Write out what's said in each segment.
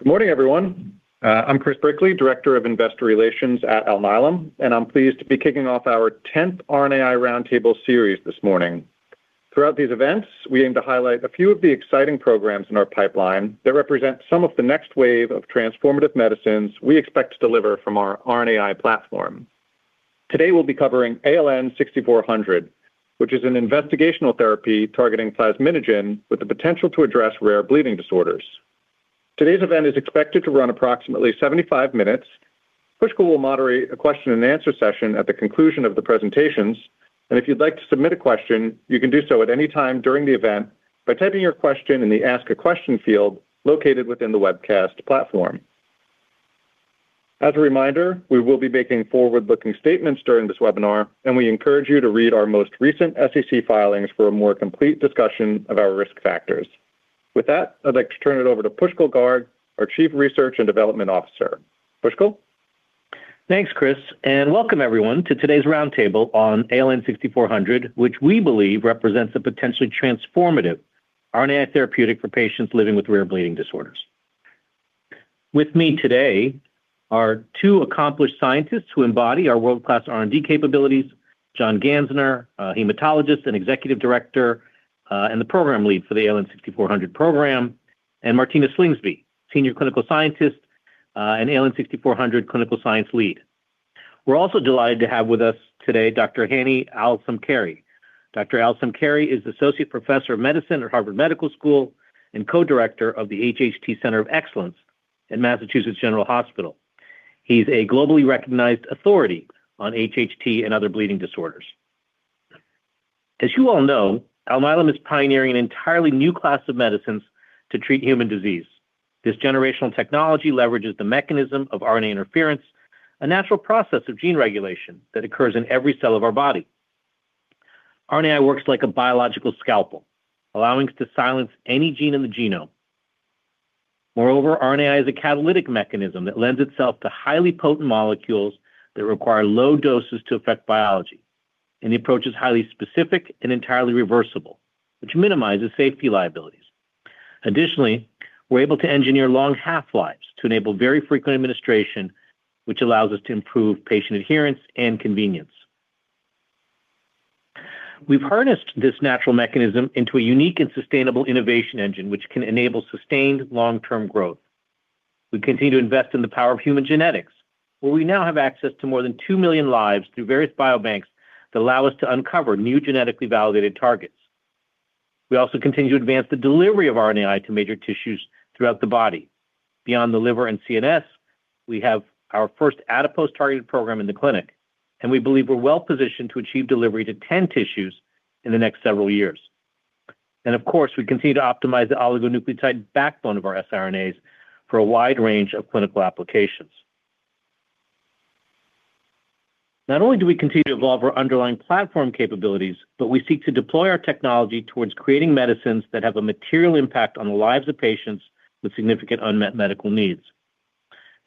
Good morning, everyone. I'm Chris Brickley, Director of Investor Relations at Alnylam, I'm pleased to be kicking off our 10th RNAi Roundtable series this morning. Throughout these events, we aim to highlight a few of the exciting programs in our pipeline that represent some of the next wave of transformative medicines we expect to deliver from our RNAi platform. Today, we'll be covering ALN-6400, which is an investigational therapy targeting plasminogen with the potential to address rare bleeding disorders. Today's event is expected to run approximately 75 minutes. Pushkal will moderate a question and answer session at the conclusion of the presentations. If you'd like to submit a question, you can do so at any time during the event by typing your question in the Ask a Question field located within the webcast platform. As a reminder, we will be making forward-looking statements during this webinar, we encourage you to read our most recent SEC filings for a more complete discussion of our risk factors. With that, I'd like to turn it over to Pushkal Garg, our Chief Research and Development Officer. Pushkal? Thanks, Chris, welcome everyone to today's roundtable on ALN-6400, which we believe represents a potentially transformative RNAi therapeutic for patients living with rare bleeding disorders. With me today are two accomplished scientists who embody our world-class R&D capabilities, John Gansner, a hematologist and executive director, and the program lead for the ALN-6400 program, and Martina Slingsby, senior clinical scientist, and ALN-6400 clinical science lead. We're also delighted to have with us today Dr. Hanny Al-Samkari. Dr. Al-Samkari is Associate Professor of Medicine at Harvard Medical School and co-director of the HHT Center of Excellence at Massachusetts General Hospital. He's a globally recognized authority on HHT and other bleeding disorders. As you all know, Alnylam is pioneering an entirely new class of medicines to treat human disease. This generational technology leverages the mechanism of RNA interference, a natural process of gene regulation that occurs in every cell of our body. RNAi works like a biological scalpel, allowing us to silence any gene in the genome. Moreover, RNAi is a catalytic mechanism that lends itself to highly potent molecules that require low doses to affect biology, the approach is highly specific and entirely reversible, which minimizes safety liabilities. Additionally, we're able to engineer long half-lives to enable very frequent administration, which allows us to improve patient adherence and convenience. We've harnessed this natural mechanism into a unique and sustainable innovation engine which can enable sustained long-term growth. We continue to invest in the power of human genetics, where we now have access to more than 2 million lives through various biobanks that allow us to uncover new genetically validated targets. We also continue to advance the delivery of RNAi to major tissues throughout the body. Beyond the liver and CNS, we have our first adipose-targeted program in the clinic, and we believe we're well-positioned to achieve delivery to 10 tissues in the next several years. Of course, we continue to optimize the oligonucleotide backbone of our siRNAs for a wide range of clinical applications. Not only do we continue to evolve our underlying platform capabilities, but we seek to deploy our technology towards creating medicines that have a material impact on the lives of patients with significant unmet medical needs.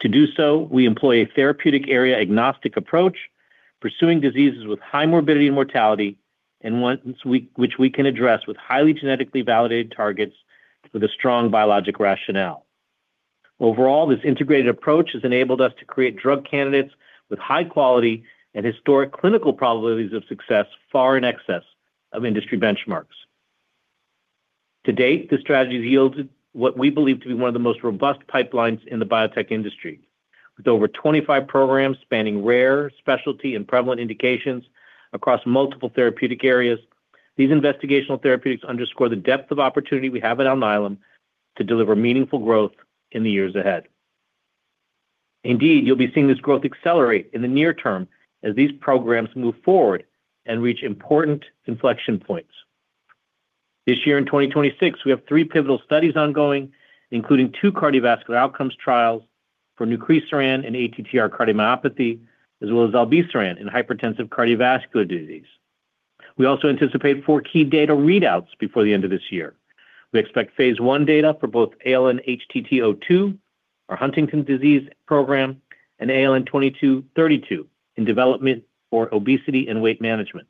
To do so, we employ a therapeutic area agnostic approach, pursuing diseases with high morbidity and mortality, and ones which we can address with highly genetically validated targets with a strong biologic rationale. Overall, this integrated approach has enabled us to create drug candidates with high quality and historic clinical probabilities of success far in excess of industry benchmarks. To date, this strategy has yielded what we believe to be one of the most robust pipelines in the biotech industry. With over 25 programs spanning rare, specialty, and prevalent indications across multiple therapeutic areas, these investigational therapeutics underscore the depth of opportunity we have at Alnylam to deliver meaningful growth in the years ahead. Indeed, you'll be seeing this growth accelerate in the near term as these programs move forward and reach important inflection points. This year in 2026, we have three pivotal studies ongoing, including two cardiovascular outcomes trials for nucresiran and ATTR cardiomyopathy, as well as zilebesiran in hypertensive cardiovascular disease. We also anticipate four key data readouts before the end of this year. We expect phase I data for both ALN-HTT02, our Huntington's disease program, and ALN-2232 in development for obesity and weight management.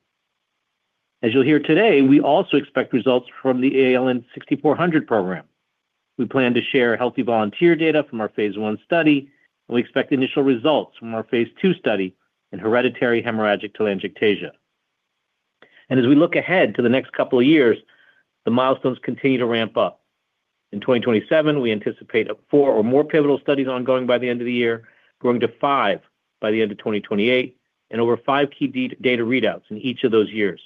As you'll hear today, we also expect results from the ALN-6400 program. We plan to share healthy volunteer data from our phase I study, and we expect initial results from our phase II study in hereditary hemorrhagic telangiectasia. As we look ahead to the next couple of years, the milestones continue to ramp up. In 2027, we anticipate four or more pivotal studies ongoing by the end of the year, growing to five by the end of 2028, and over five key data readouts in each of those years.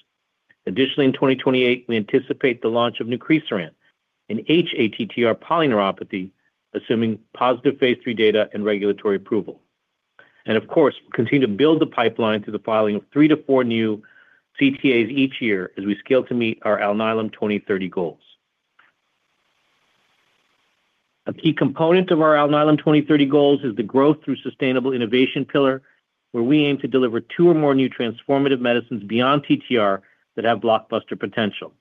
Additionally, in 2028, we anticipate the launch of nucresiran in hATTR polyneuropathy, assuming positive phase III data and regulatory approval. Of course, we'll continue to build the pipeline through the filing of three to four new CTAs each year as we scale to meet our Alnylam 2030 goals. A key component of our Alnylam 2030 goals is the growth through sustainable innovation pillar, where we aim to deliver two or more new transformative medicines beyond TTR that have blockbuster potential.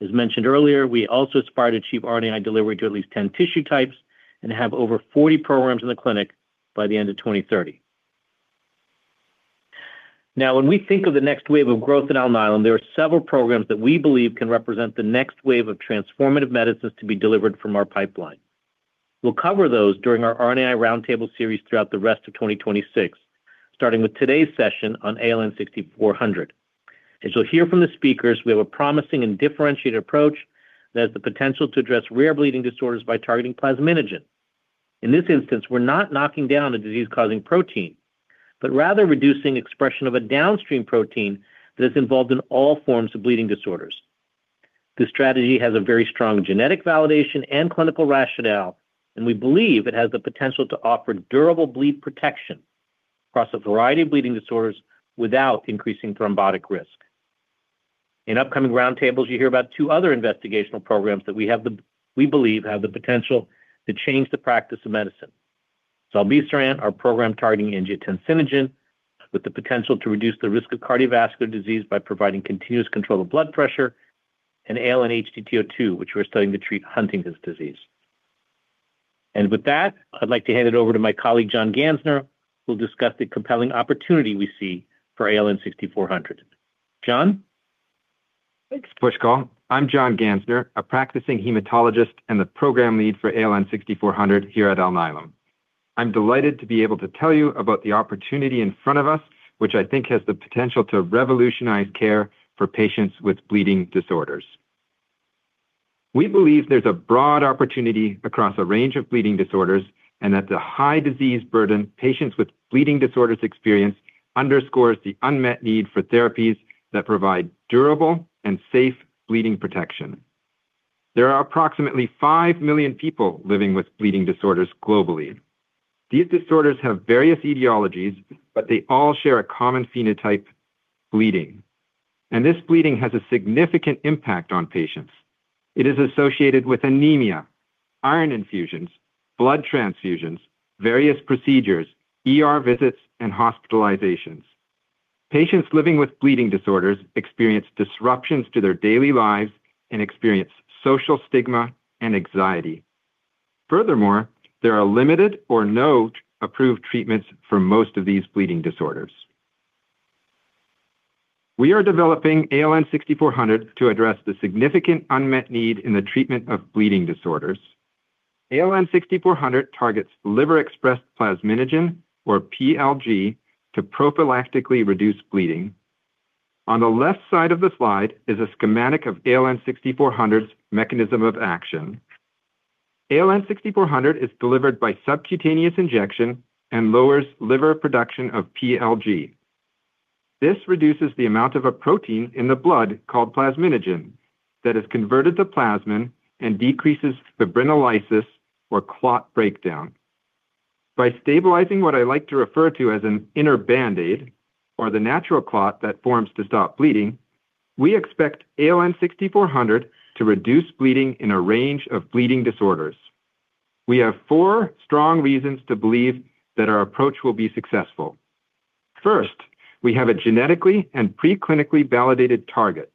As mentioned earlier, we also aspire to achieve RNAi delivery to at least 10 tissue types and have over 40 programs in the clinic by the end of 2030. Now, when we think of the next wave of growth at Alnylam, there are several programs that we believe can represent the next wave of transformative medicines to be delivered from our pipeline. We'll cover those during our RNAi Roundtable series throughout the rest of 2026, starting with today's session on ALN-6400. As you'll hear from the speakers, we have a promising and differentiated approach that has the potential to address rare bleeding disorders by targeting plasminogen. In this instance, we're not knocking down a disease-causing protein, but rather reducing expression of a downstream protein that is involved in all forms of bleeding disorders. This strategy has a very strong genetic validation and clinical rationale, and we believe it has the potential to offer durable bleed protection across a variety of bleeding disorders without increasing thrombotic risk. In upcoming RNAi Roundtables, you'll hear about two other investigational programs that we believe have the potential to change the practice of medicine. Sorbisterit, our program targeting angiotensinogen with the potential to reduce the risk of cardiovascular disease by providing continuous control of blood pressure, and ALN-HTT02, which we're studying to treat Huntington's disease. With that, I'd like to hand it over to my colleague, John Gansner, who'll discuss the compelling opportunity we see for ALN-6400. John? Thanks, Pushkal. I'm John Gansner, a practicing hematologist and the program lead for ALN-6400 here at Alnylam. I'm delighted to be able to tell you about the opportunity in front of us, which I think has the potential to revolutionize care for patients with bleeding disorders. We believe there's a broad opportunity across a range of bleeding disorders, that the high disease burden patients with bleeding disorders experience underscores the unmet need for therapies that provide durable and safe bleeding protection. There are approximately 5 million people living with bleeding disorders globally. These disorders have various etiologies, but they all share a common phenotype: bleeding. This bleeding has a significant impact on patients. It is associated with anemia, iron infusions, blood transfusions, various procedures, ER visits, and hospitalizations. Patients living with bleeding disorders experience disruptions to their daily lives and experience social stigma and anxiety. Furthermore, there are limited or no approved treatments for most of these bleeding disorders. We are developing ALN-6400 to address the significant unmet need in the treatment of bleeding disorders. ALN-6400 targets liver-expressed plasminogen, or PLG, to prophylactically reduce bleeding. On the left side of the slide is a schematic of ALN-6400's mechanism of action. ALN-6400 is delivered by subcutaneous injection and lowers liver production of PLG. This reduces the amount of a protein in the blood called plasminogen that is converted to plasmin and decreases fibrinolysis or clot breakdown. By stabilizing what I like to refer to as an inner Band-Aid or the natural clot that forms to stop bleeding, we expect ALN-6400 to reduce bleeding in a range of bleeding disorders. We have four strong reasons to believe that our approach will be successful. First, we have a genetically and pre-clinically validated target.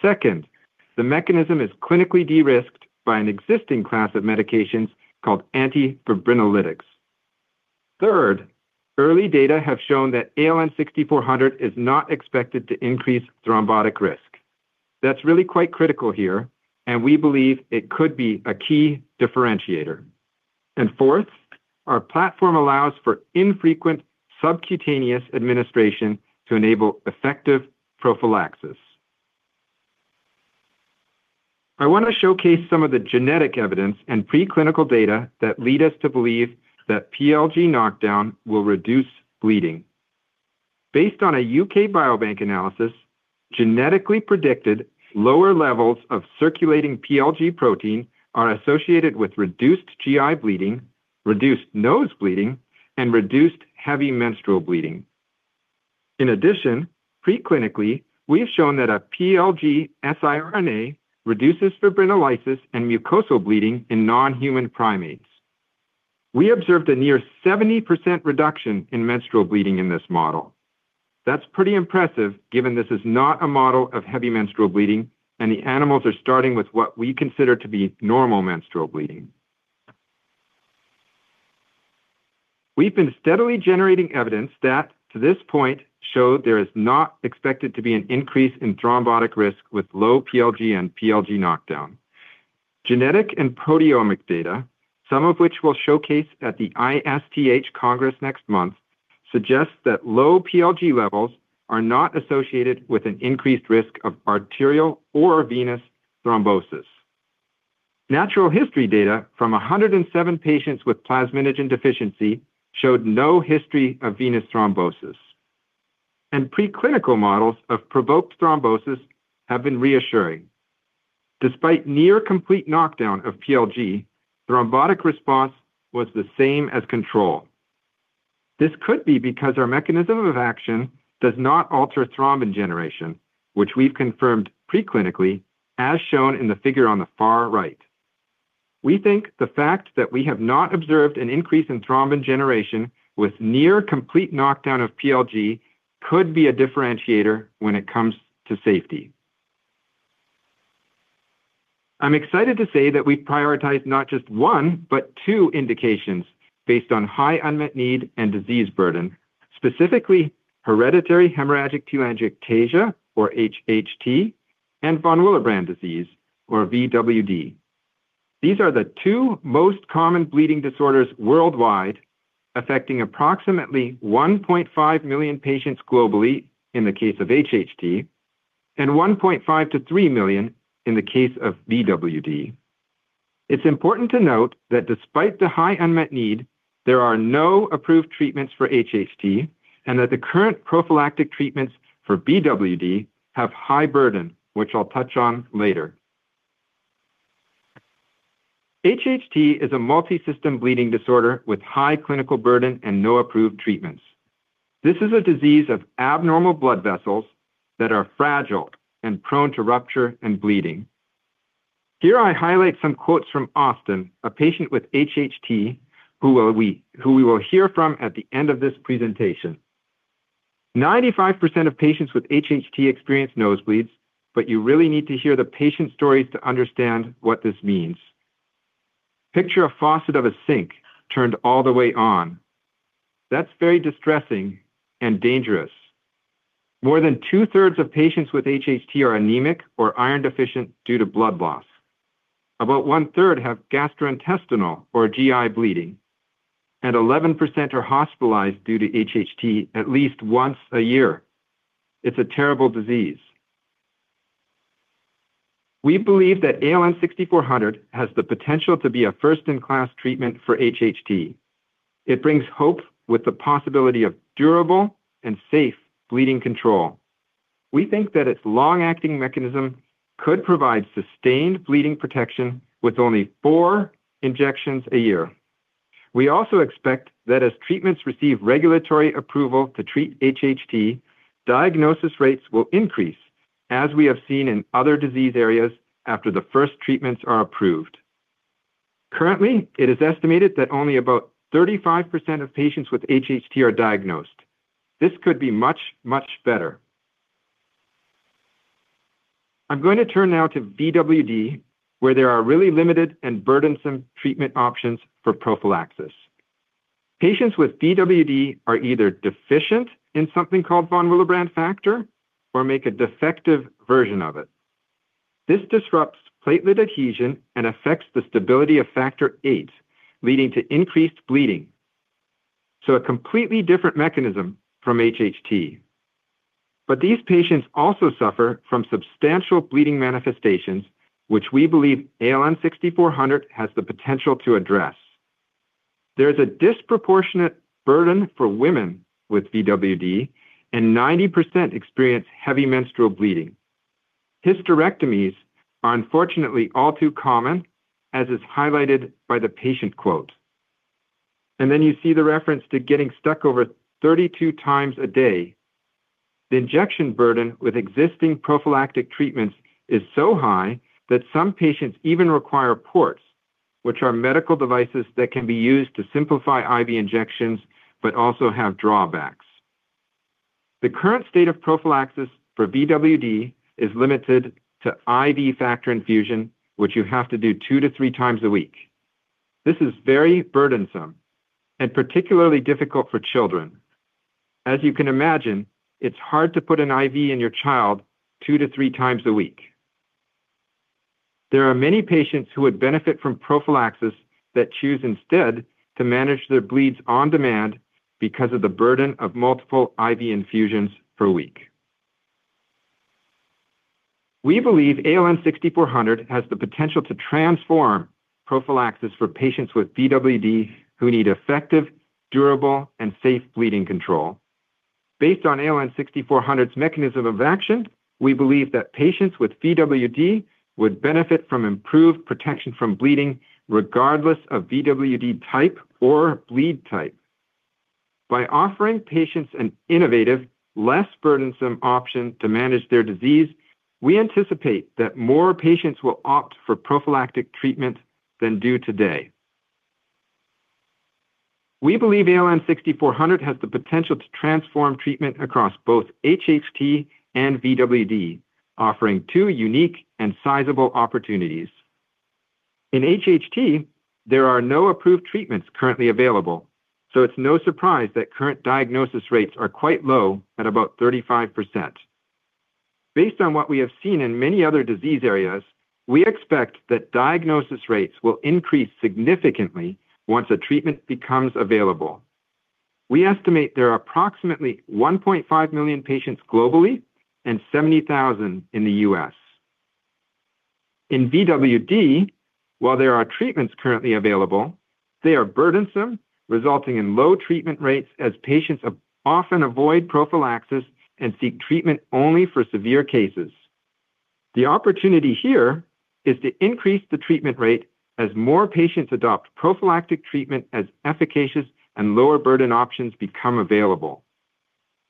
Second, the mechanism is clinically de-risked by an existing class of medications called antifibrinolytics. Third, early data have shown that ALN-6400 is not expected to increase thrombotic risk. That's really quite critical here, and we believe it could be a key differentiator. Fourth, our platform allows for infrequent subcutaneous administration to enable effective prophylaxis. I want to showcase some of the genetic evidence and pre-clinical data that lead us to believe that PLG knockdown will reduce bleeding. Based on a UK Biobank analysis, genetically predicted lower levels of circulating PLG protein are associated with reduced GI bleeding, reduced nose bleeding, and reduced heavy menstrual bleeding. In addition, pre-clinically, we have shown that a PLG siRNA reduces fibrinolysis and mucosal bleeding in non-human primates. We observed a near 70% reduction in menstrual bleeding in this model. That's pretty impressive given this is not a model of heavy menstrual bleeding and the animals are starting with what we consider to be normal menstrual bleeding. We've been steadily generating evidence that, to this point, show there is not expected to be an increase in thrombotic risk with low PLG and PLG knockdown. Genetic and proteomic data, some of which we'll showcase at the ISTH Congress next month, suggest that low PLG levels are not associated with an increased risk of arterial or venous thrombosis. Natural history data from 107 patients with plasminogen deficiency showed no history of venous thrombosis. Pre-clinical models of provoked thrombosis have been reassuring. Despite near complete knockdown of PLG, thrombotic response was the same as control. This could be because our mechanism of action does not alter thrombin generation, which we've confirmed pre-clinically as shown in the figure on the far right. We think the fact that we have not observed an increase in thrombin generation with near complete knockdown of PLG could be a differentiator when it comes to safety. I'm excited to say that we've prioritized not just one, but two indications based on high unmet need and disease burden, specifically hereditary hemorrhagic telangiectasia, or HHT, and von Willebrand disease, or VWD. These are the two most common bleeding disorders worldwide, affecting approximately 1.5 million patients globally in the case of HHT, and 1.5 to 3 million in the case of VWD. It's important to note that despite the high unmet need, there are no approved treatments for HHT and that the current prophylactic treatments for VWD have high burden, which I'll touch on later. HHT is a multi-system bleeding disorder with high clinical burden and no approved treatments. This is a disease of abnormal blood vessels that are fragile and prone to rupture and bleeding. Here I highlight some quotes from Austin, a patient with HHT who we will hear from at the end of this presentation. 95% of patients with HHT experience nosebleeds, but you really need to hear the patient stories to understand what this means. Picture a faucet of a sink turned all the way on. That's very distressing and dangerous. More than two-thirds of patients with HHT are anemic or iron deficient due to blood loss. About one-third have gastrointestinal or GI bleeding, and 11% are hospitalized due to HHT at least once a year. It's a terrible disease. We believe that ALN-6400 has the potential to be a first-in-class treatment for HHT. It brings hope with the possibility of durable and safe bleeding control. We think that its long-acting mechanism could provide sustained bleeding protection with only four injections a year. We also expect that as treatments receive regulatory approval to treat HHT, diagnosis rates will increase, as we have seen in other disease areas after the first treatments are approved. Currently, it is estimated that only about 35% of patients with HHT are diagnosed. This could be much, much better. I'm going to turn now to VWD, where there are really limited and burdensome treatment options for prophylaxis. Patients with VWD are either deficient in something called von Willebrand factor or make a defective version of it. This disrupts platelet adhesion and affects the stability of factor VIII, leading to increased bleeding. A completely different mechanism from HHT. These patients also suffer from substantial bleeding manifestations, which we believe ALN-6400 has the potential to address. There is a disproportionate burden for women with VWD, and 90% experience heavy menstrual bleeding. Hysterectomies are unfortunately all too common, as is highlighted by the patient quote. You see the reference to getting stuck over 32 times a day. The injection burden with existing prophylactic treatments is so high that some patients even require ports, which are medical devices that can be used to simplify IV injections, but also have drawbacks. The current state of prophylaxis for VWD is limited to IV factor infusion, which you have to do two to three times a week. This is very burdensome and particularly difficult for children. As you can imagine, it's hard to put an IV in your child two to three times a week. There are many patients who would benefit from prophylaxis that choose instead to manage their bleeds on demand because of the burden of multiple IV infusions per week. We believe ALN-6400 has the potential to transform prophylaxis for patients with VWD who need effective, durable, and safe bleeding control. Based on ALN-6400's mechanism of action, we believe that patients with VWD would benefit from improved protection from bleeding regardless of VWD type or bleed type. By offering patients an innovative, less burdensome option to manage their disease, we anticipate that more patients will opt for prophylactic treatment than do today. We believe ALN-6400 has the potential to transform treatment across both HHT and VWD, offering two unique and sizable opportunities. In HHT, there are no approved treatments currently available, it's no surprise that current diagnosis rates are quite low at about 35%. Based on what we have seen in many other disease areas, we expect that diagnosis rates will increase significantly once a treatment becomes available. We estimate there are approximately 1.5 million patients globally and 70,000 in the U.S. In VWD, while there are treatments currently available, they are burdensome, resulting in low treatment rates as patients often avoid prophylaxis and seek treatment only for severe cases. The opportunity here is to increase the treatment rate as more patients adopt prophylactic treatment as efficacious and lower-burden options become available.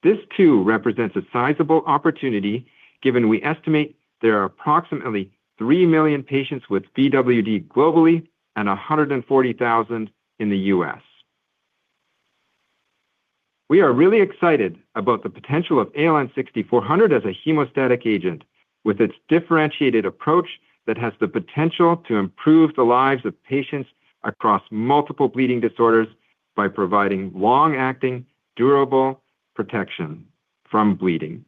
This, too, represents a sizable opportunity given we estimate there are approximately 3 million patients with VWD globally and 140,000 in the U.S. We are really excited about the potential of ALN-6400 as a hemostatic agent with its differentiated approach that has the potential to improve the lives of patients across multiple bleeding disorders by providing long-acting, durable protection from bleeding.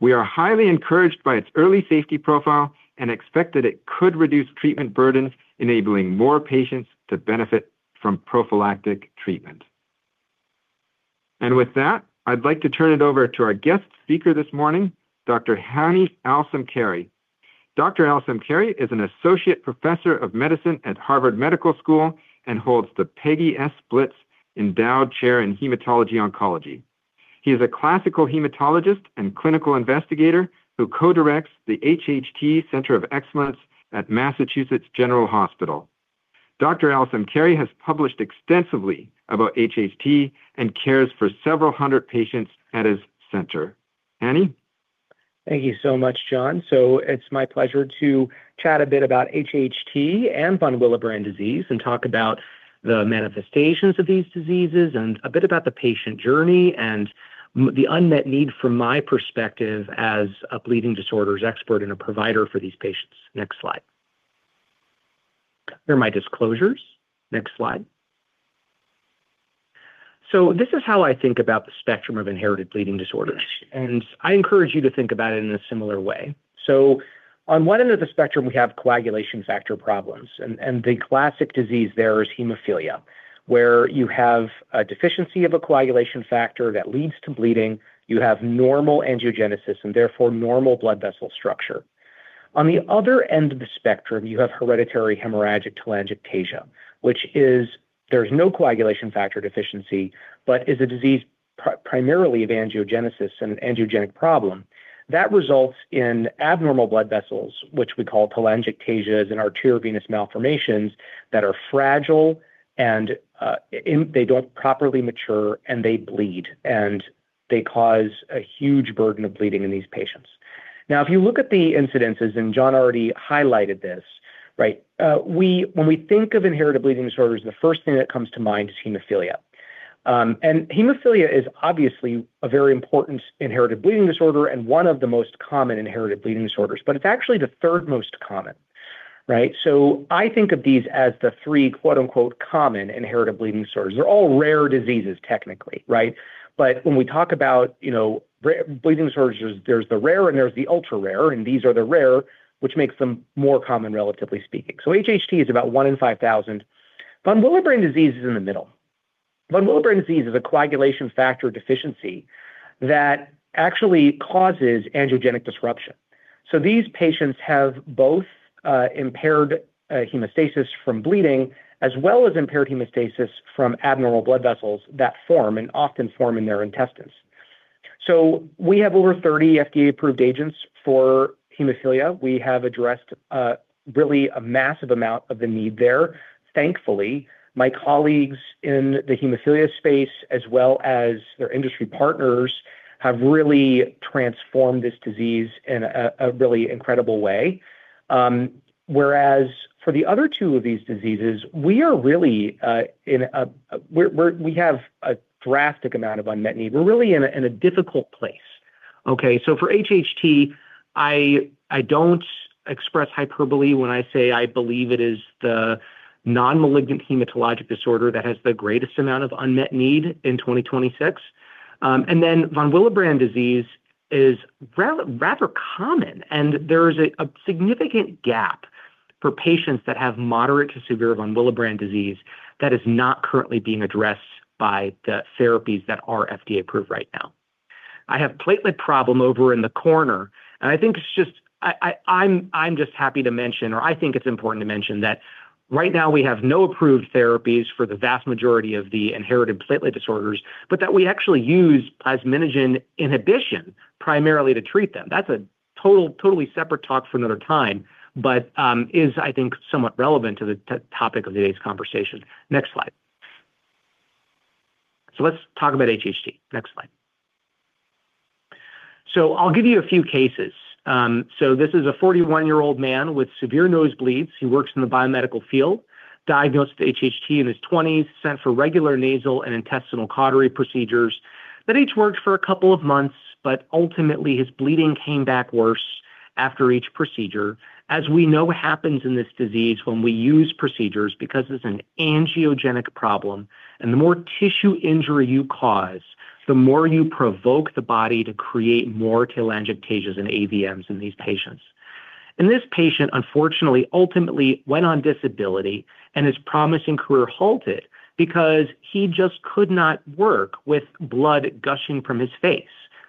We are highly encouraged by its early safety profile and expect that it could reduce treatment burdens, enabling more patients to benefit from prophylactic treatment. With that, I'd like to turn it over to our guest speaker this morning, Dr. Hanny Al-Samkari. Dr. Al-Samkari is an associate professor of medicine at Harvard Medical School and holds the Peggy S. Blitz Endowed Chair in Hematology/Oncology. He is a classical hematologist and clinical investigator who co-directs the HHT Center of Excellence at Massachusetts General Hospital. Dr. Al-Samkari has published extensively about HHT and cares for several hundred patients at his center. Hanny? Thank you so much, John. It's my pleasure to chat a bit about HHT and von Willebrand disease and talk about the manifestations of these diseases and a bit about the patient journey and the unmet need from my perspective as a bleeding disorders expert and a provider for these patients. Next slide. Here are my disclosures. Next slide. This is how I think about the spectrum of inherited bleeding disorders, and I encourage you to think about it in a similar way. On one end of the spectrum, we have coagulation factor problems, and the classic disease there is hemophilia, where you have a deficiency of a coagulation factor that leads to bleeding. You have normal angiogenesis and therefore normal blood vessel structure. On the other end of the spectrum, you have hereditary hemorrhagic telangiectasia, which is, there's no coagulation factor deficiency, but is a disease primarily of angiogenesis and an angiogenic problem. That results in abnormal blood vessels, which we call telangiectasia and arteriovenous malformations that are fragile and they don't properly mature and they bleed, and they cause a huge burden of bleeding in these patients. If you look at the incidences, and John already highlighted this. When we think of inherited bleeding disorders, the first thing that comes to mind is hemophilia. Hemophilia is obviously a very important inherited bleeding disorder and one of the most common inherited bleeding disorders, but it's actually the third most common. I think of these as the three, quote unquote, common inherited bleeding disorders. They're all rare diseases, technically. When we talk about bleeding disorders, there's the rare and there's the ultra-rare, and these are the rare, which makes them more common, relatively speaking. HHT is about one in 5,000. Von Willebrand disease is in the middle. Von Willebrand disease is a coagulation factor deficiency that actually causes angiogenic disruption. These patients have both impaired hemostasis from bleeding, as well as impaired hemostasis from abnormal blood vessels that form and often form in their intestines. We have over 30 FDA-approved agents for hemophilia. We have addressed really a massive amount of the need there. Thankfully, my colleagues in the hemophilia space, as well as their industry partners, have really transformed this disease in a really incredible way. Whereas for the other two of these diseases, we have a drastic amount of unmet need. We're really in a difficult place. For HHT, I don't express hyperbole when I say I believe it is the non-malignant hematologic disorder that has the greatest amount of unmet need in 2026. Von Willebrand disease is rather common, and there is a significant gap for patients that have moderate to severe von Willebrand disease that is not currently being addressed by the therapies that are FDA-approved right now. I have platelet problem over in the corner, and I think it's important to mention that right now we have no approved therapies for the vast majority of the inherited platelet disorders, but that we actually use plasminogen inhibition primarily to treat them. That is a totally separate talk for another time, but is, I think, somewhat relevant to the topic of today's conversation. Next slide. Let's talk about HHT. Next slide. I will give you a few cases. This is a 41-year-old man with severe nosebleeds. He works in the biomedical field, diagnosed with HHT in his 20s, sent for regular nasal and intestinal cautery procedures that each worked for a couple of months, ultimately, his bleeding came back worse after each procedure, as we know happens in this disease when we use procedures because it is an angiogenic problem, and the more tissue injury you cause, the more you provoke the body to create more telangiectasias and AVMs in these patients. This patient, unfortunately, ultimately went on disability, and his promising career halted because he just could not work with blood gushing from his face,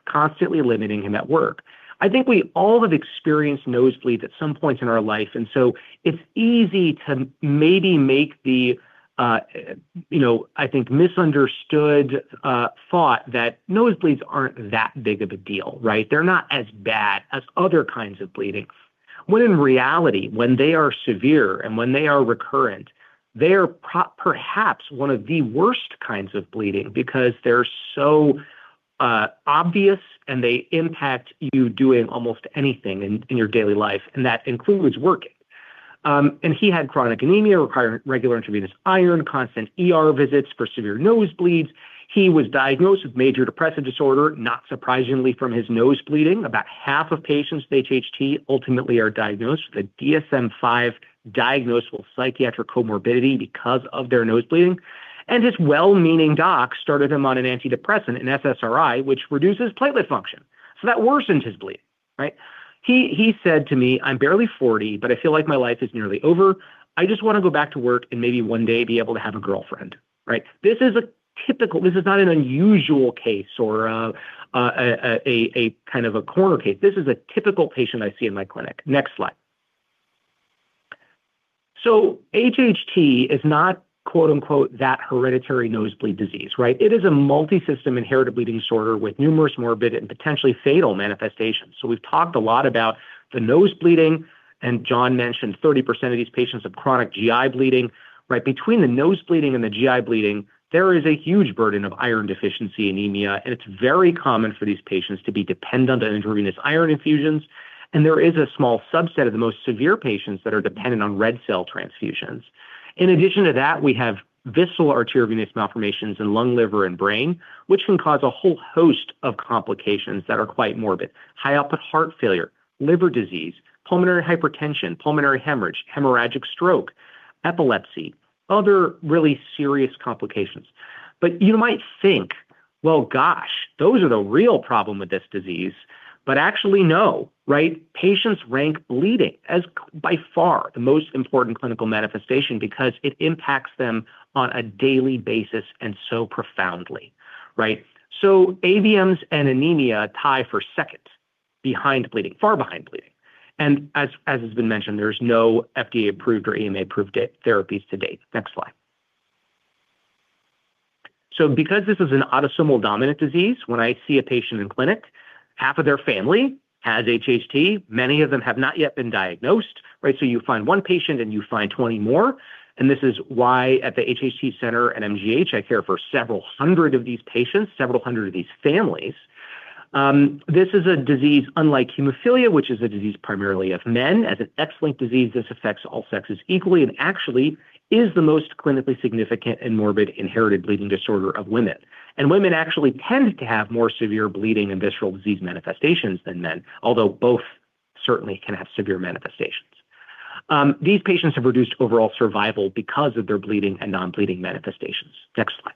constantly limiting him at work. I think we all have experienced nosebleeds at some point in our life, and so it is easy to maybe make the, I think, misunderstood thought that nosebleeds are not that big of a deal. They are not as bad as other kinds of bleeding, when in reality, when they are severe and when they are recurrent, they are perhaps one of the worst kinds of bleeding because they are so obvious and they impact you doing almost anything in your daily life, and that includes working. He had chronic anemia requiring regular intravenous iron, constant ER visits for severe nosebleeds. He was diagnosed with major depressive disorder, not surprisingly from his nose bleeding. About half of patients with HHT ultimately are diagnosed with a DSM-5 diagnosable psychiatric comorbidity because of their nose bleeding. His well-meaning doc started him on an antidepressant, an SSRI, which reduces platelet function, that worsened his bleeding. He said to me, "I am barely 40, I feel like my life is nearly over. I just want to go back to work and maybe one day be able to have a girlfriend." This is a typical, this is not an unusual case or a kind of a corner case. This is a typical patient I see in my clinic. Next slide. HHT is not, quote unquote, that hereditary nosebleed disease. It is a multisystem inherited bleeding disorder with numerous morbid and potentially fatal manifestations. We have talked a lot about the nose bleeding, and John mentioned 30% of these patients have chronic GI bleeding. Between the nose bleeding and the GI bleeding, there is a huge burden of iron deficiency anemia, and it is very common for these patients to be dependent on intravenous iron infusions. There is a small subset of the most severe patients that are dependent on red cell transfusions. In addition to that, we have visceral arteriovenous malformations in lung, liver, and brain, which can cause a whole host of complications that are quite morbid. High output heart failure, liver disease, pulmonary hypertension, pulmonary hemorrhage, hemorrhagic stroke, epilepsy, other really serious complications. You might think, well, gosh, those are the real problem with this disease. Actually, no. Patients rank bleeding as by far the most important clinical manifestation because it impacts them on a daily basis and profoundly. AVMs and anemia tie for second behind bleeding, far behind bleeding. As has been mentioned, there's no FDA-approved or European Medicines Agency-approved therapies to date. Next slide. Because this is an autosomal dominant disease, when I see a patient in clinic, half of their family has HHT. Many of them have not yet been diagnosed. You find one patient, and you find 20 more, and this is why at the HHT Center at Massachusetts General Hospital, I care for several hundred of these patients, several hundred of these families. This is a disease unlike hemophilia, which is a disease primarily of men. As an X-linked disease, this affects all sexes equally and actually is the most clinically significant and morbid inherited bleeding disorder of women. Women actually tend to have more severe bleeding and visceral disease manifestations than men, although both certainly can have severe manifestations. These patients have reduced overall survival because of their bleeding and non-bleeding manifestations. Next slide.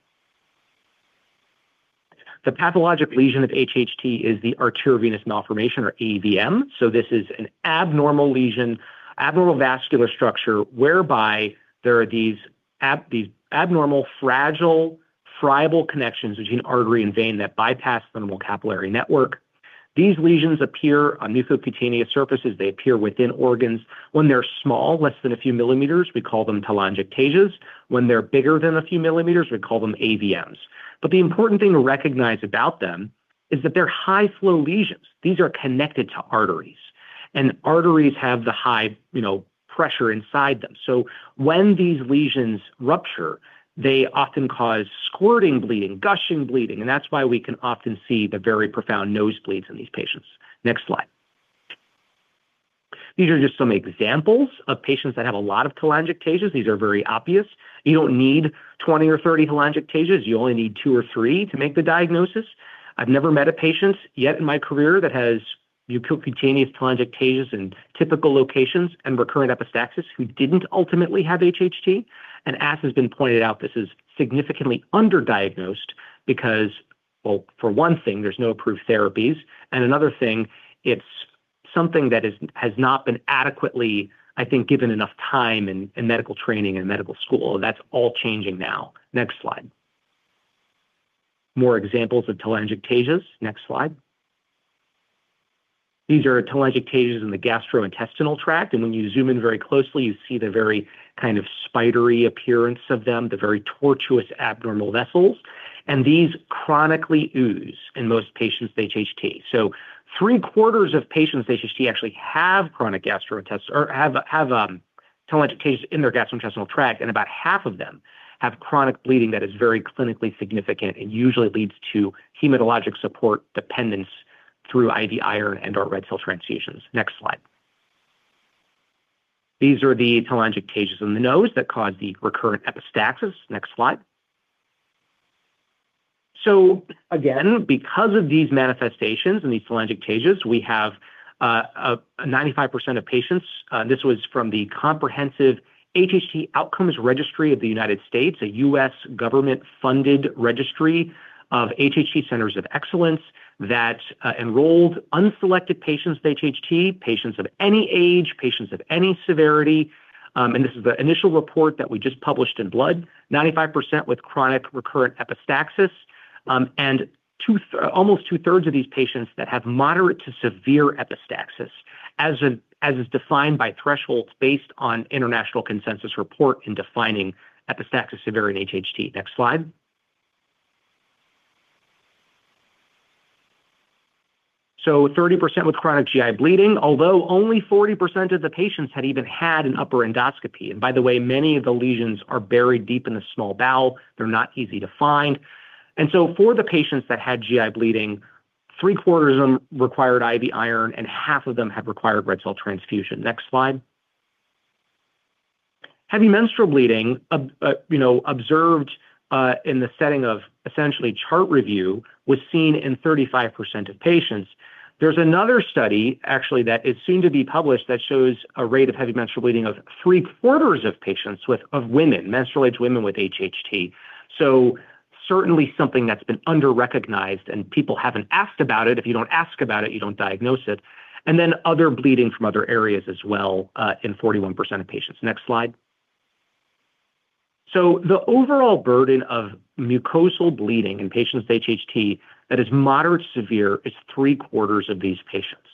The pathologic lesion of HHT is the arteriovenous malformation or AVM. This is an abnormal lesion, abnormal vascular structure whereby there are these abnormal, fragile, friable connections between artery and vein that bypass the normal capillary network. These lesions appear on mucocutaneous surfaces. They appear within organs. When they're small, less than a few millimeters, we call them telangiectasias. When they're bigger than a few millimeters, we call them AVMs. The important thing to recognize about them is that they're high-flow lesions. These are connected to arteries, and arteries have the high pressure inside them. When these lesions rupture, they often cause squirting bleeding, gushing bleeding, and that's why we can often see the very profound nosebleeds in these patients. Next slide. These are just some examples of patients that have a lot of telangiectasias. These are very obvious. You don't need 20 or 30 telangiectasias. You only need two or three to make the diagnosis. I've never met a patient yet in my career that has mucocutaneous telangiectasias in typical locations and recurrent epistaxis who didn't ultimately have HHT. As has been pointed out, this is significantly underdiagnosed because, well, for one thing, there's no approved therapies, and another thing, it's something that has not been adequately, I think, given enough time in medical training and medical school. That's all changing now. Next slide. More examples of telangiectasias. Next slide. These are telangiectasias in the gastrointestinal tract, and when you zoom in very closely, you see the very kind of spidery appearance of them, the very tortuous abnormal vessels. These chronically ooze in most patients with HHT. Three-quarters of patients with HHT actually have telangiectasias in their gastrointestinal tract, and about half of them have chronic bleeding that is very clinically significant and usually leads to hematologic support dependence through IV iron and/or red cell transfusions. Next slide. These are the telangiectasias in the nose that cause the recurrent epistaxis. Next slide. Again, because of these manifestations and these telangiectasias, we have 95% of patients. This was from the Comprehensive HHT Outcomes Registry of the United States, a U.S. government-funded registry of HHT Centers of Excellence that enrolled unselected patients with HHT, patients of any age, patients of any severity. This is the initial report that we just published in Blood. 95% with chronic recurrent epistaxis and almost two-thirds of these patients that have moderate to severe epistaxis, as is defined by thresholds based on international consensus report in defining epistaxis severity in HHT. Next slide. 30% with chronic GI bleeding, although only 40% of the patients had even had an upper endoscopy. By the way, many of the lesions are buried deep in the small bowel. They're not easy to find. For the patients that had GI bleeding, three quarters of them required IV iron, and half of them have required red cell transfusion. Next slide. Heavy menstrual bleeding observed in the setting of essentially chart review was seen in 35% of patients. There's another study, actually, that is soon to be published that shows a rate of heavy menstrual bleeding of three quarters of patients, of women, menstrual age women with HHT. Certainly something that's been under-recognized and people haven't asked about it. If you don't ask about it, you don't diagnose it. Other bleeding from other areas as well, in 41% of patients. Next slide. The overall burden of mucosal bleeding in patients with HHT that is moderate to severe is three quarters of these patients,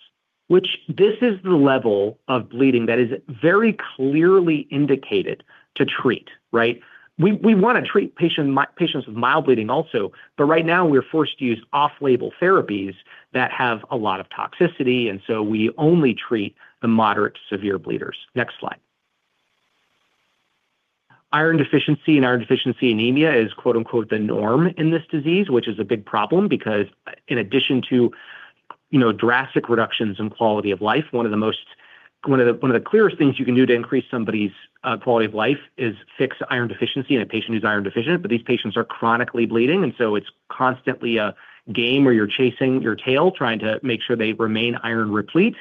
which this is the level of bleeding that is very clearly indicated to treat, right? We want to treat patients with mild bleeding also, right now we're forced to use off-label therapies that have a lot of toxicity, we only treat the moderate to severe bleeders. Next slide. Iron deficiency and iron deficiency anemia is "the norm" in this disease, which is a big problem because in addition to drastic reductions in quality of life, one of the clearest things you can do to increase somebody's quality of life is fix iron deficiency in a patient who's iron deficient. These patients are chronically bleeding it's constantly a game where you're chasing your tail trying to make sure they remain iron replete.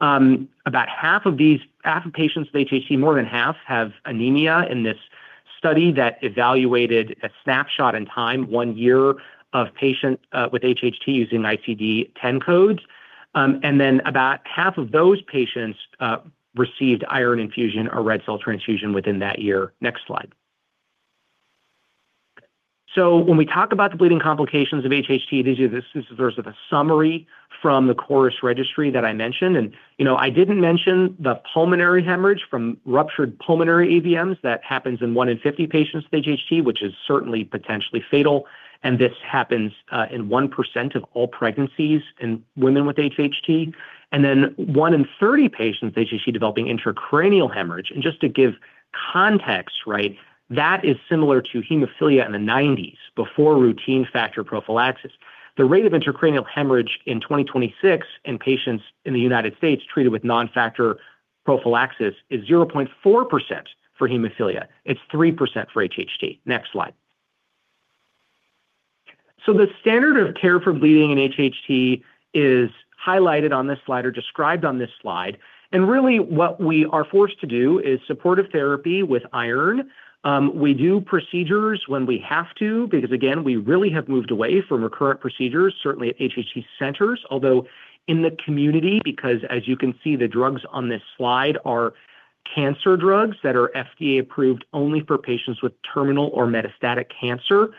About half of patients with HHT, more than half, have anemia in this study that evaluated a snapshot in time, one year of patients with HHT using ICD-10 codes. About half of those patients received iron infusion or red cell transfusion within that year. Next slide. When we talk about the bleeding complications of HHT, this is a summary from the CHORUS Registry that I mentioned. I didn't mention the pulmonary hemorrhage from ruptured pulmonary AVMs. That happens in one in 50 patients with HHT, which is certainly potentially fatal, and this happens in 1% of all pregnancies in women with HHT. One in 30 patients with HHT developing intracranial hemorrhage. Just to give context, right? That is similar to hemophilia in the 1990s before routine factor prophylaxis. The rate of intracranial hemorrhage in 2026 in patients in the United States treated with non-factor prophylaxis is 0.4% for hemophilia. It's 3% for HHT. Next slide. The standard of care for bleeding in HHT is highlighted on this slide or described on this slide, and really what we are forced to do is supportive therapy with iron. We do procedures when we have to because, again, we really have moved away from recurrent procedures, certainly at HHT centers, although in the community, because as you can see, the drugs on this slide are cancer drugs that are FDA approved only for patients with terminal or metastatic cancer,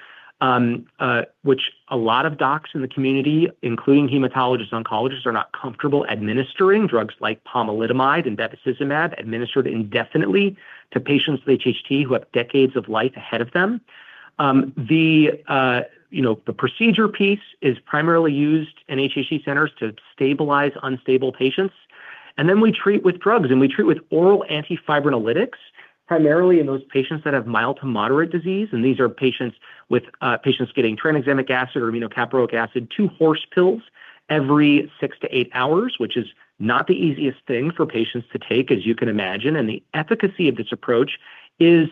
which a lot of docs in the community, including hematologists, oncologists, are not comfortable administering drugs like pomalidomide and bevacizumab administered indefinitely to patients with HHT who have decades of life ahead of them. The procedure piece is primarily used in HHT centers to stabilize unstable patients. Then we treat with drugs, and we treat with oral antifibrinolytics, primarily in those patients that have mild to moderate disease. These are patients getting tranexamic acid or aminocaproic acid, two horse pills every six to eight hours, which is not the easiest thing for patients to take, as you can imagine. The efficacy of this approach is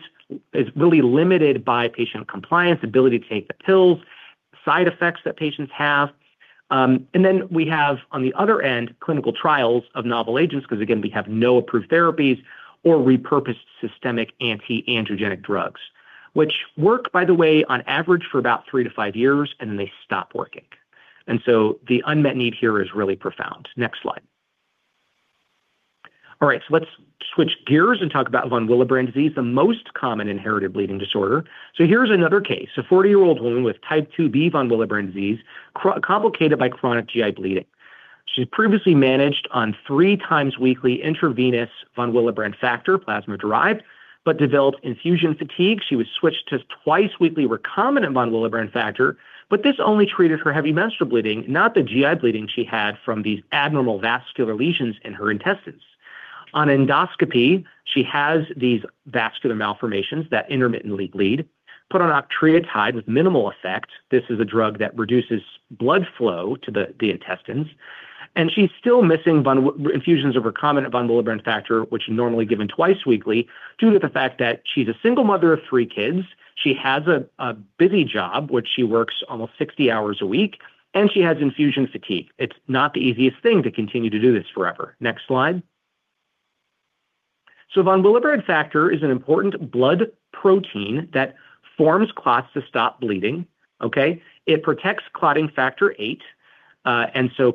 really limited by patient compliance, ability to take the pills, side effects that patients have. Then we have, on the other end, clinical trials of novel agents because, again, we have no approved therapies or repurposed systemic antiangiogenic drugs, which work, by the way, on average for about three to five years, and then they stop working. The unmet need here is really profound. Next slide. All right. Let's switch gears and talk about von Willebrand disease, the most common inherited bleeding disorder. Here's another case. A 40-year-old woman with type 2B von Willebrand disease, complicated by chronic GI bleeding. She'd previously managed on three times weekly intravenous von Willebrand factor, plasma-derived, but developed infusion fatigue. She was switched to twice weekly recombinant von Willebrand factor, but this only treated her heavy menstrual bleeding, not the GI bleeding she had from these abnormal vascular lesions in her intestines. On endoscopy, she has these vascular malformations that intermittently bleed. Put on octreotide with minimal effect. This is a drug that reduces blood flow to the intestines. She's still missing infusions of recombinant von Willebrand factor, which are normally given twice weekly, due to the fact that she's a single mother of three kids, she has a busy job, which she works almost 60 hours a week, and she has infusion fatigue. It's not the easiest thing to continue to do this forever. Next slide. Von Willebrand factor is an important blood protein that forms clots to stop bleeding. Okay? It protects clotting factor VIII.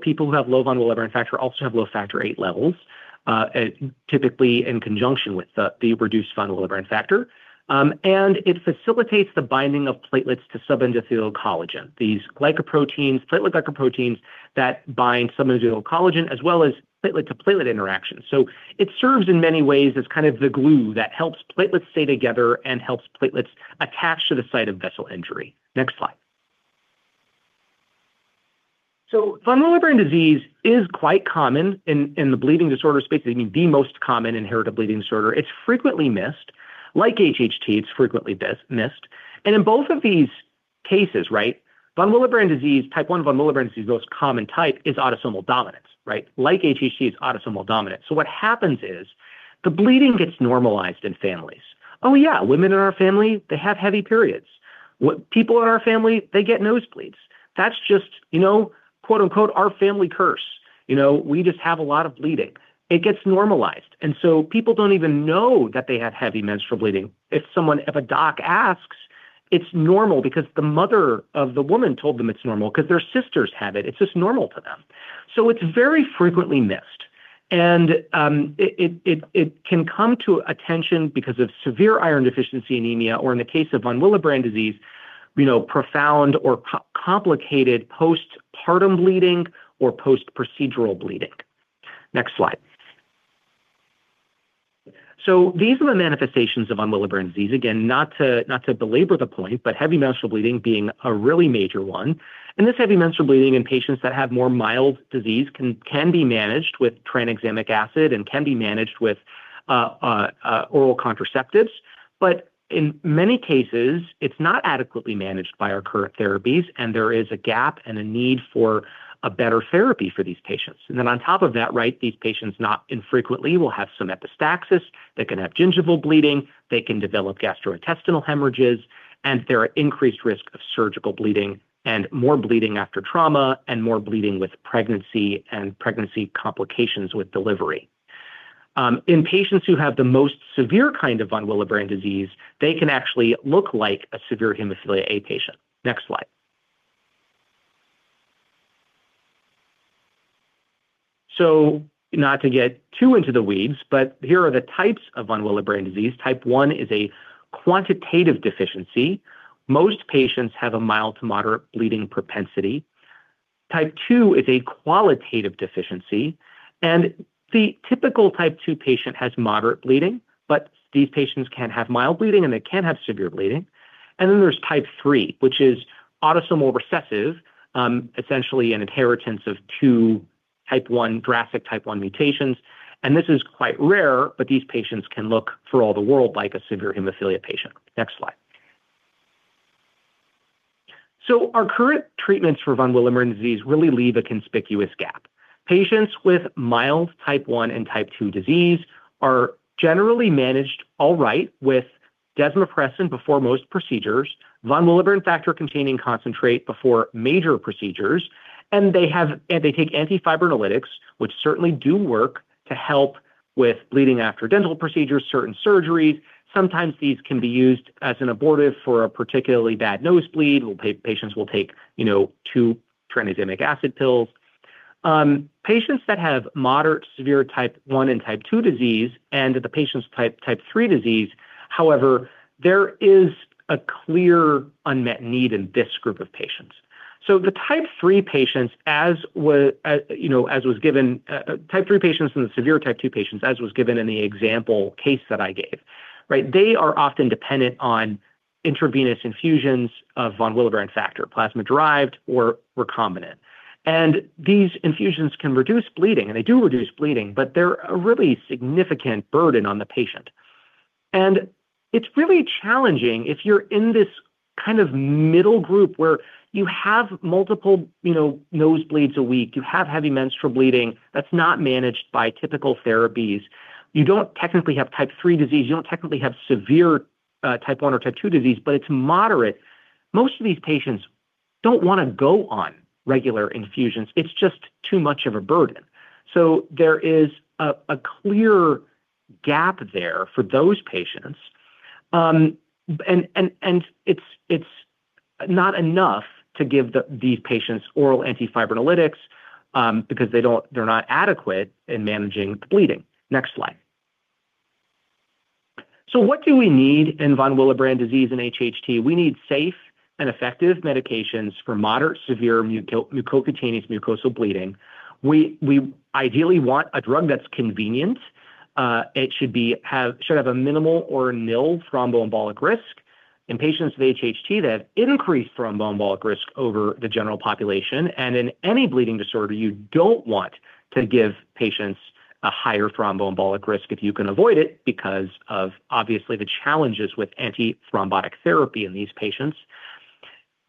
People who have low von Willebrand factor also have low factor VIII levels, typically in conjunction with the reduced von Willebrand factor. It facilitates the binding of platelets to subendothelial collagen. These glycoproteins, platelet glycoproteins, that bind subendothelial collagen, as well as platelet to platelet interactions. It serves in many ways as kind of the glue that helps platelets stay together and helps platelets attach to the site of vessel injury. Next slide. Von Willebrand disease is quite common in the bleeding disorder space. I mean, the most common inherited bleeding disorder. It's frequently missed. Like HHT, it's frequently missed. In both of these cases, von Willebrand disease, Type 1 von Willebrand disease, the most common type, is autosomal dominance. HHT, it's autosomal dominant. What happens is the bleeding gets normalized in families. "Oh, yeah, women in our family, they have heavy periods. People in our family, they get nosebleeds. That's just, quote, unquote, 'our family curse.' We just have a lot of bleeding." It gets normalized, and people don't even know that they have heavy menstrual bleeding. If a doc asks, it's normal because the mother of the woman told them it's normal because their sisters have it. It's just normal to them. It's very frequently missed. It can come to attention because of severe iron deficiency anemia, or in the case of von Willebrand disease, profound or complicated postpartum bleeding or post-procedural bleeding. Next slide. These are the manifestations of von Willebrand disease. Again, not to belabor the point, but heavy menstrual bleeding being a really major one. This heavy menstrual bleeding in patients that have more mild disease can be managed with tranexamic acid and can be managed with oral contraceptives. In many cases, it's not adequately managed by our current therapies, and there is a gap and a need for a better therapy for these patients. On top of that, these patients not infrequently will have some epistaxis. They can have gingival bleeding. They can develop gastrointestinal hemorrhages, and they're at increased risk of surgical bleeding and more bleeding after trauma and more bleeding with pregnancy and pregnancy complications with delivery. In patients who have the most severe kind of von Willebrand disease, they can actually look like a severe hemophilia A patient. Next slide. Not to get too into the weeds, but here are the types of von Willebrand disease. Type 1 is a quantitative deficiency. Most patients have a mild to moderate bleeding propensity. Type 2 is a qualitative deficiency, the typical Type 2 patient has moderate bleeding, these patients can have mild bleeding, and they can have severe bleeding. There's Type 3, which is autosomal recessive, essentially an inheritance of two drastic Type 1 mutations. This is quite rare, but these patients can look for all the world like a severe hemophilia patient. Next slide. Our current treatments for von Willebrand disease really leave a conspicuous gap. Patients with mild Type 1 and Type 2 disease are generally managed all right with desmopressin before most procedures, von Willebrand factor-containing concentrate before major procedures, and they take antifibrinolytics, which certainly do work to help with bleeding after dental procedures, certain surgeries. Sometimes these can be used as an abortive for a particularly bad nosebleed. Patients will take two tranexamic acid pills. Patients that have moderate, severe Type 1 and Type 2 disease and the patients with Type 3 disease, however, there is a clear unmet need in this group of patients. The Type 3 patients and the severe Type 2 patients, as was given in the example case that I gave. They are often dependent on intravenous infusions of von Willebrand factor, plasma-derived or recombinant. These infusions can reduce bleeding, they do reduce bleeding, but they're a really significant burden on the patient. It's really challenging if you're in this kind of middle group where you have multiple nosebleeds a week, you have heavy menstrual bleeding that's not managed by typical therapies. You don't technically have Type 3 disease. You don't technically have severe Type 1 or Type 2 disease, but it's moderate. Most of these patients don't want to go on regular infusions. It's just too much of a burden. There is a clear gap there for those patients. It's not enough to give these patients oral antifibrinolytics, because they're not adequate in managing the bleeding. Next slide. What do we need in von Willebrand disease and HHT? We need safe and effective medications for moderate, severe mucocutaneous mucosal bleeding. We ideally want a drug that's convenient. It should have a minimal or nil thromboembolic risk in patients with HHT that have increased thromboembolic risk over the general population. In any bleeding disorder, you don't want to give patients a higher thromboembolic risk if you can avoid it because of, obviously, the challenges with antithrombotic therapy in these patients.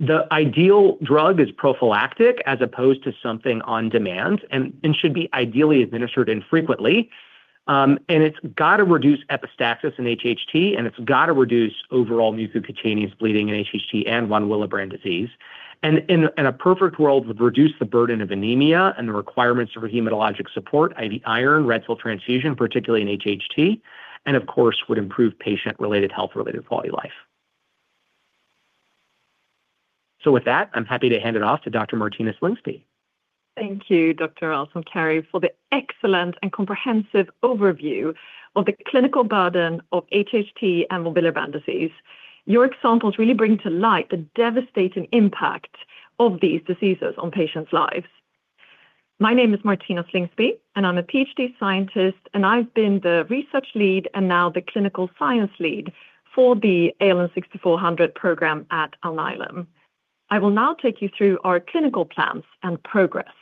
The ideal drug is prophylactic as opposed to something on demand and should be ideally administered infrequently. It's got to reduce epistaxis in HHT, and it's got to reduce overall mucocutaneous bleeding in HHT and von Willebrand disease. In a perfect world, would reduce the burden of anemia and the requirements for hematologic support, IV iron, red cell transfusion, particularly in HHT, and of course, would improve patient-related health-related quality life. With that, I'm happy to hand it off to Dr. Martina Slingsby. Thank you, Dr. Al-Samkari, for the excellent and comprehensive overview of the clinical burden of HHT and von Willebrand disease. Your examples really bring to light the devastating impact of these diseases on patients' lives. My name is Martina Slingsby, and I'm a PhD scientist, and I've been the research lead and now the clinical science lead for the ALN-6400 program at Alnylam. I will now take you through our clinical plans and progress.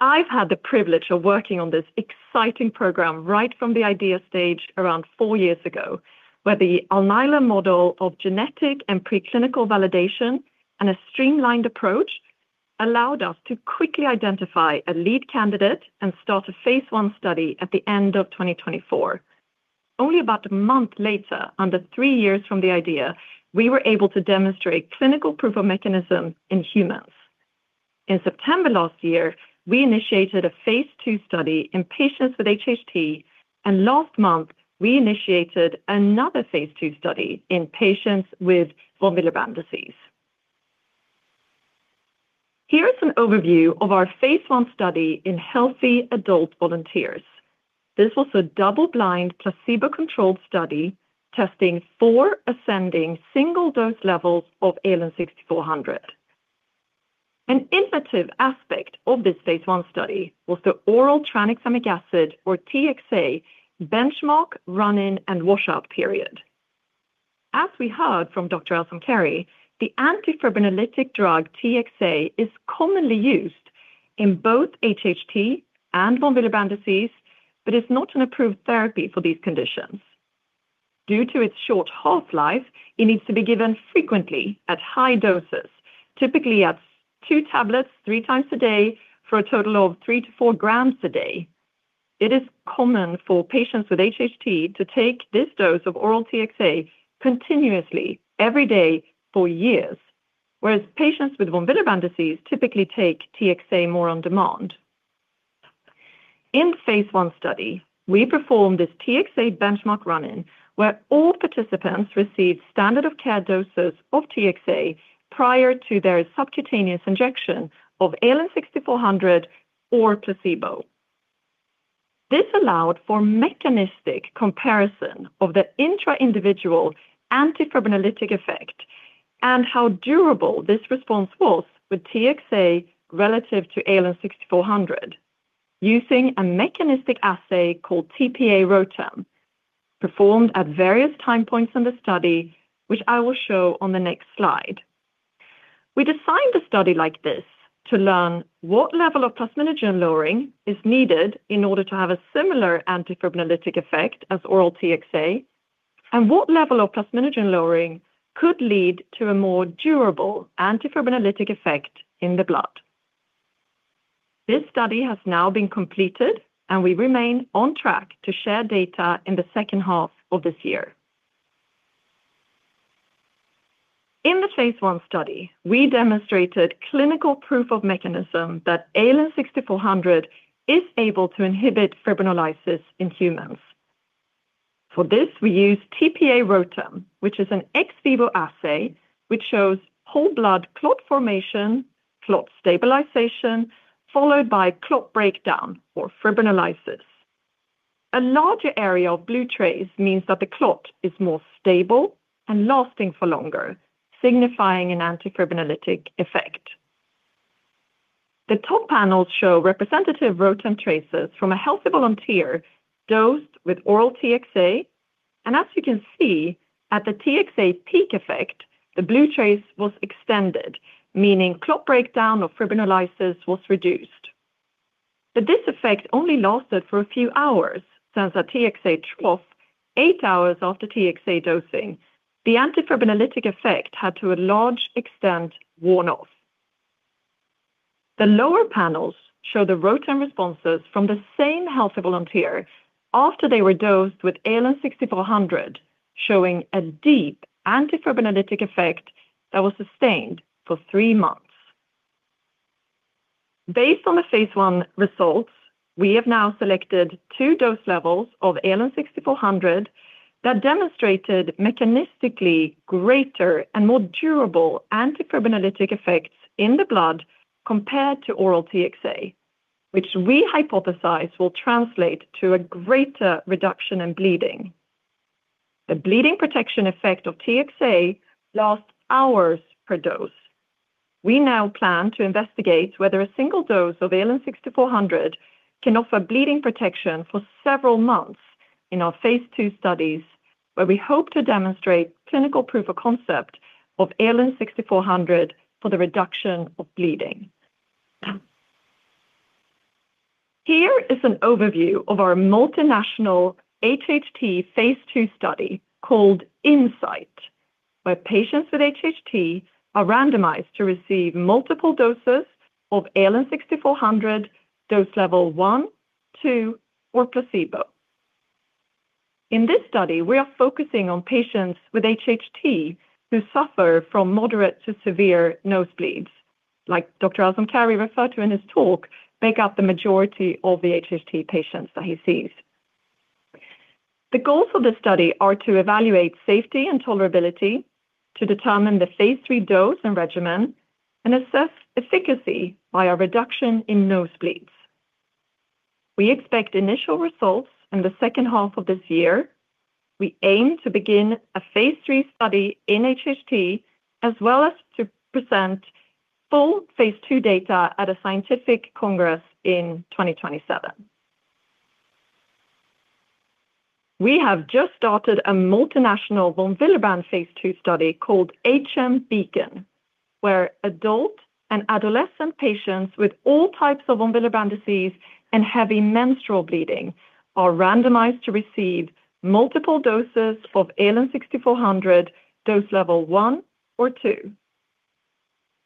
I've had the privilege of working on this exciting program right from the idea stage around four years ago, where the Alnylam model of genetic and preclinical validation and a streamlined approach allowed us to quickly identify a lead candidate and start a phase I study at the end of 2024. Only about a month later, under three years from the idea, we were able to demonstrate clinical proof of mechanism in humans. In September last year, we initiated a phase II study in patients with HHT, and last month, we initiated another phase II study in patients with von Willebrand disease. Here is an overview of our phase I study in healthy adult volunteers. This was a double-blind, placebo-controlled study testing four ascending single-dose levels of ALN-6400. An innovative aspect of this phase I study was the oral tranexamic acid, or TXA, benchmark run-in and washout period. As we heard from Dr. Al-Samkari, the antifibrinolytic drug TXA is commonly used in both HHT and von Willebrand disease but is not an approved therapy for these conditions. Due to its short half-life, it needs to be given frequently at high doses, typically at two tablets, three times a day, for a total of three to four grams a day. It is common for patients with HHT to take this dose of oral TXA continuously every day for years, whereas patients with von Willebrand disease typically take TXA more on demand. In the phase I study, we performed this TXA benchmark run-in, where all participants received standard-of-care doses of TXA prior to their subcutaneous injection of ALN-6400 or placebo. This allowed for mechanistic comparison of the intra-individual antifibrinolytic effect and how durable this response was with TXA relative to ALN-6400 using a mechanistic assay called tPA-ROTEM, performed at various time points in the study, which I will show on the next slide. We designed a study like this to learn what level of plasminogen lowering is needed in order to have a similar antifibrinolytic effect as oral TXA and what level of plasminogen lowering could lead to a more durable antifibrinolytic effect in the blood. This study has now been completed we remain on track to share data in the second half of this year. In the phase I study, we demonstrated clinical proof of mechanism that ALN-6400 is able to inhibit fibrinolysis in humans. For this, we used tPA-ROTEM, which is an ex vivo assay which shows whole blood clot formation, clot stabilization, followed by clot breakdown or fibrinolysis. A larger area of blue trace means that the clot is more stable and lasting for longer, signifying an antifibrinolytic effect. The top panels show representative ROTEM traces from a healthy volunteer dosed with oral TXA, as you can see, at the TXA peak effect, the blue trace was extended, meaning clot breakdown of fibrinolysis was reduced. This effect only lasted for a few hours, since at TXA trough, eight hours after TXA dosing, the antifibrinolytic effect had, to a large extent, worn off. The lower panels show the ROTEM responses from the same healthy volunteer after they were dosed with ALN-6400, showing a deep antifibrinolytic effect that was sustained for three months. Based on the phase I results, we have now selected two dose levels of ALN-6400 that demonstrated mechanistically greater and more durable antifibrinolytic effects in the blood compared to oral TXA, which we hypothesize will translate to a greater reduction in bleeding. The bleeding protection effect of TXA lasts hours per dose. We now plan to investigate whether a single dose of ALN-6400 can offer bleeding protection for several months in our phase II studies, where we hope to demonstrate clinical proof of concept of ALN-6400 for the reduction of bleeding. Here is an overview of our multinational HHT phase II study called InsigHHT, where patients with HHT are randomized to receive multiple doses of ALN-6400, dose level one, two, or placebo. In this study, we are focusing on patients with HHT who suffer from moderate to severe nosebleeds, like Dr. Al-Samkari referred to in his talk, make up the majority of the HHT patients that he sees. The goals of the study are to evaluate safety and tolerability, to determine the phase III dose and regimen, and assess efficacy by a reduction in nosebleeds. We expect initial results in the second half of this year. We aim to begin a phase III study in HHT, as well as to present full phase II data at a scientific congress in 2027. We have just started a multinational von Willebrand phase II study called HM BEACON, where adult and adolescent patients with all types of von Willebrand disease and heavy menstrual bleeding are randomized to receive multiple doses of ALN-6400, dose level one or two.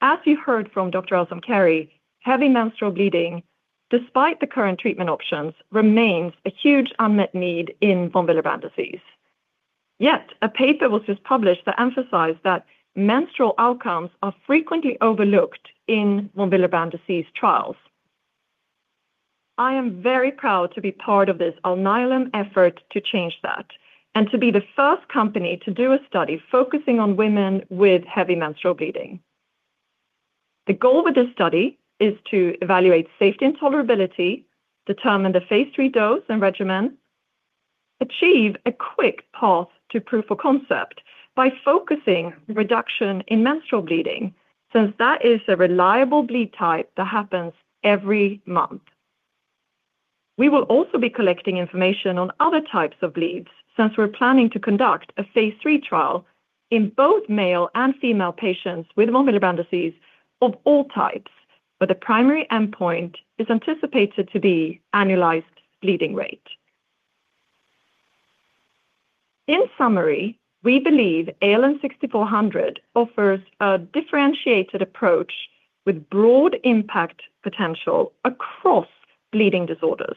As you heard from Dr. Al-Samkari, heavy menstrual bleeding, despite the current treatment options, remains a huge unmet need in von Willebrand disease. A paper was just published that emphasized that menstrual outcomes are frequently overlooked in von Willebrand disease trials. I am very proud to be part of this Alnylam effort to change that and to be the first company to do a study focusing on women with heavy menstrual bleeding. The goal with this study is to evaluate safety and tolerability, determine the phase III dose and regimen, achieve a quick path to proof of concept by focusing reduction in menstrual bleeding, since that is a reliable bleed type that happens every month. We will also be collecting information on other types of bleeds, since we're planning to conduct a phase III trial in both male and female patients with von Willebrand disease of all types, where the primary endpoint is anticipated to be annualized bleeding rate. In summary, we believe ALN-6400 offers a differentiated approach with broad impact potential across bleeding disorders.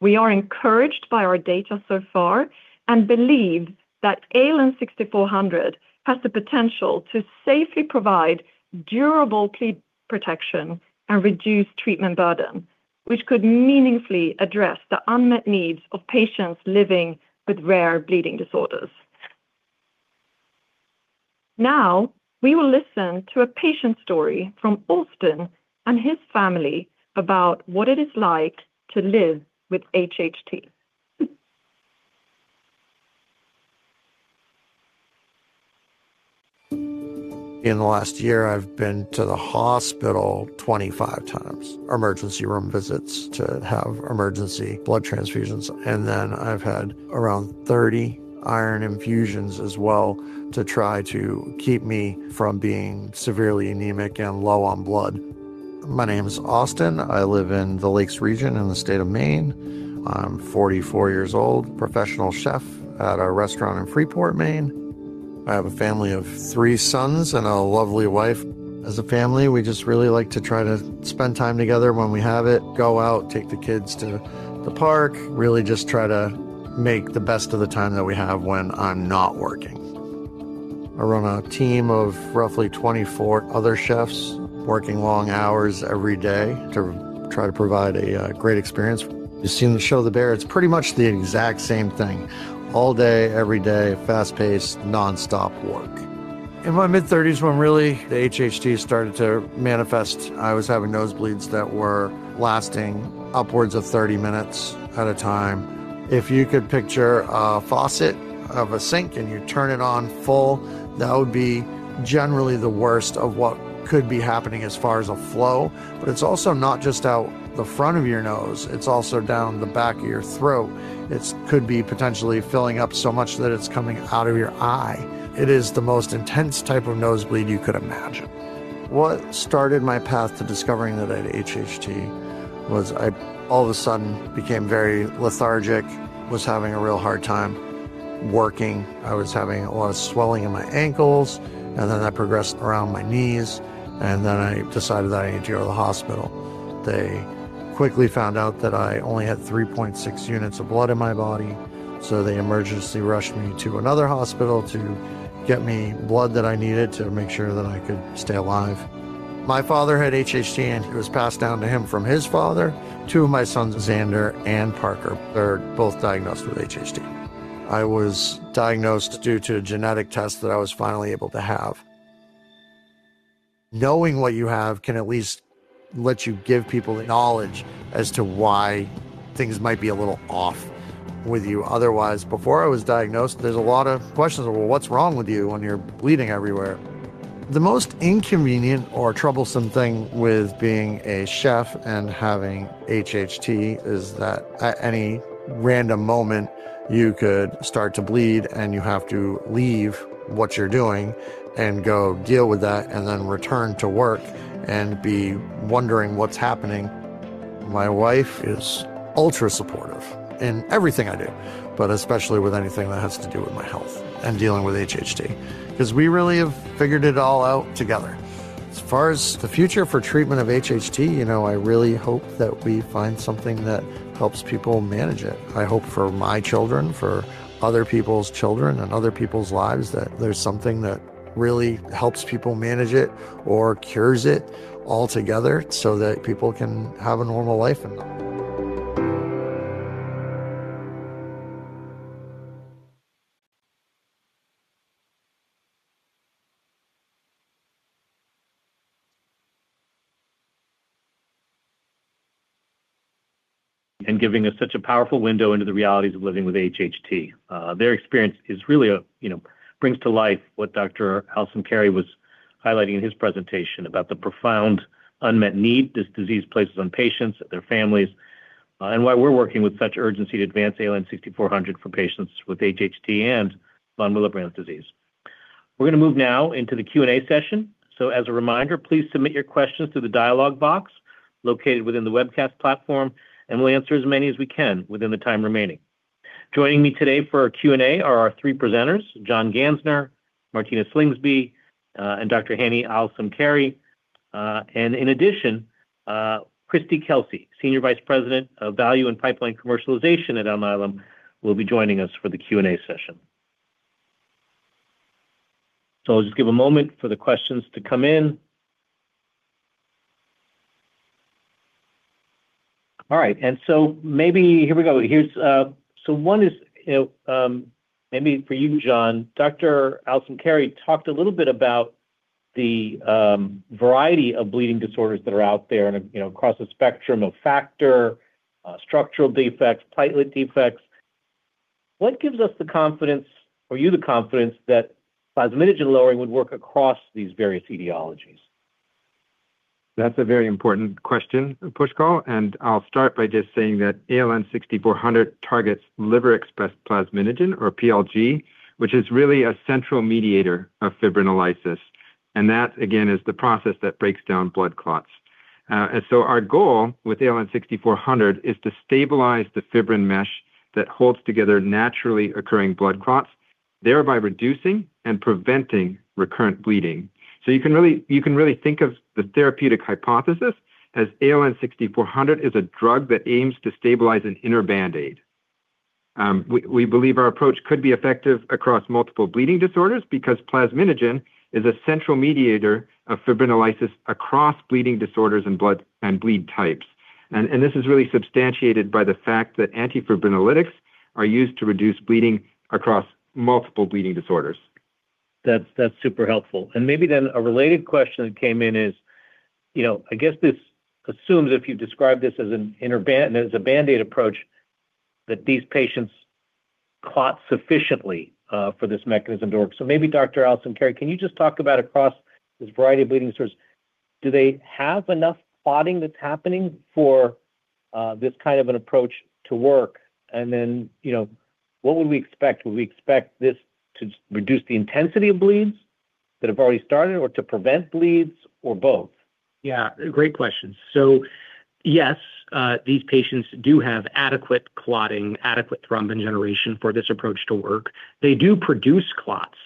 We are encouraged by our data so far and believe that ALN-6400 has the potential to safely provide durable bleed protection and reduce treatment burden, which could meaningfully address the unmet needs of patients living with rare bleeding disorders. We will listen to a patient story from Austin and his family about what it is like to live with HHT. In the last year, I've been to the hospital 25 times, emergency room visits to have emergency blood transfusions. I've had around 30 iron infusions as well to try to keep me from being severely anemic and low on blood. My name is Austin. I live in the Lakes Region in the state of Maine. I'm 44 years old, professional chef at a restaurant in Freeport, Maine. I have a family of three sons and a lovely wife. As a family, we just really like to try to spend time together when we have it, go out, take the kids to the park, really just try to make the best of the time that we have when I'm not working. I run a team of roughly 24 other chefs, working long hours every day to try to provide a great experience. If you've seen the show "The Bear," it's pretty much the exact same thing. All day, every day, fast-paced, nonstop work. In my mid-30s, when really the HHT started to manifest, I was having nosebleeds that were lasting upwards of 30 minutes at a time. If you could picture a faucet of a sink and you turn it on full, that would be generally the worst of what could be happening as far as a flow. It's also not just out the front of your nose, it's also down the back of your throat. It could be potentially filling up so much that it's coming out of your eye. It is the most intense type of nosebleed you could imagine. What started my path to discovering that I had HHT was I all of a sudden became very lethargic, was having a real hard time working. I was having a lot of swelling in my ankles, and then that progressed around my knees, and then I decided that I needed to go to the hospital. They quickly found out that I only had 3.6 units of blood in my body, so they emergency rushed me to another hospital to get me blood that I needed to make sure that I could stay alive. My father had HHT, and it was passed down to him from his father. Two of my sons, Xander and Parker, they're both diagnosed with HHT. I was diagnosed due to a genetic test that I was finally able to have. Knowing what you have can at least let you give people the knowledge as to why things might be a little off with you. Otherwise, before I was diagnosed, there's a lot of questions, "Well, what's wrong with you when you're bleeding everywhere?" The most inconvenient or troublesome thing with being a chef and having HHT is that at any random moment, you could start to bleed, and you have to leave what you're doing and go deal with that, and then return to work and be wondering what's happening. My wife is ultra-supportive in everything I do, but especially with anything that has to do with my health and dealing with HHT because we really have figured it all out together. As far as the future for treatment of HHT, I really hope that we find something that helps people manage it. I hope for my children, for other people's children, and other people's lives, that there's something that really helps people manage it or cures it altogether so that people can have a normal life. Giving us such a powerful window into the realities of living with HHT. Their experience really brings to life what Dr. Al-Samkari was highlighting in his presentation about the profound Unmet need this disease places on patients, their families, and why we're working with such urgency to advance ALN-6400 for patients with HHT and von Willebrand disease. We're going to move now into the Q&A session. As a reminder, please submit your questions through the dialogue box located within the webcast platform, and we'll answer as many as we can within the time remaining. Joining me today for our Q&A are our three presenters, John Gansner, Martina Slingsby, and Dr. Hanny Al-Samkari. In addition, Christi Kelsey, Senior Vice President of Value and Pipeline Commercialization at Alnylam, will be joining us for the Q&A session. I'll just give a moment for the questions to come in. All right. Maybe, here we go. One is maybe for you, John. Dr. Al-Samkari talked a little bit about the variety of bleeding disorders that are out there and across the spectrum of factor, structural defects, platelet defects. What gives us the confidence, or you the confidence, that plasminogen lowering would work across these various etiologies? That's a very important question, Pushkal, I'll start by just saying that ALN-6400 targets liver-expressed plasminogen, or PLG, which is really a central mediator of fibrinolysis. That, again, is the process that breaks down blood clots. Our goal with ALN-6400 is to stabilize the fibrin mesh that holds together naturally occurring blood clots, thereby reducing and preventing recurrent bleeding. You can really think of the therapeutic hypothesis as ALN-6400 is a drug that aims to stabilize an inner Band-Aid. We believe our approach could be effective across multiple bleeding disorders because plasminogen is a central mediator of fibrinolysis across bleeding disorders and bleed types. This is really substantiated by the fact that antifibrinolytics are used to reduce bleeding across multiple bleeding disorders. That's super helpful. Maybe then a related question that came in is, I guess this assumes if you describe this as a Band-Aid approach, that these patients clot sufficiently for this mechanism to work. Maybe Dr. Al-Samkari, can you just talk about across this variety of bleeding disorders, do they have enough clotting that's happening for this kind of an approach to work? Then, what would we expect? Would we expect this to reduce the intensity of bleeds that have already started, or to prevent bleeds, or both? Yeah, great question. Yes, these patients do have adequate clotting, adequate thrombin generation for this approach to work. They do produce clots.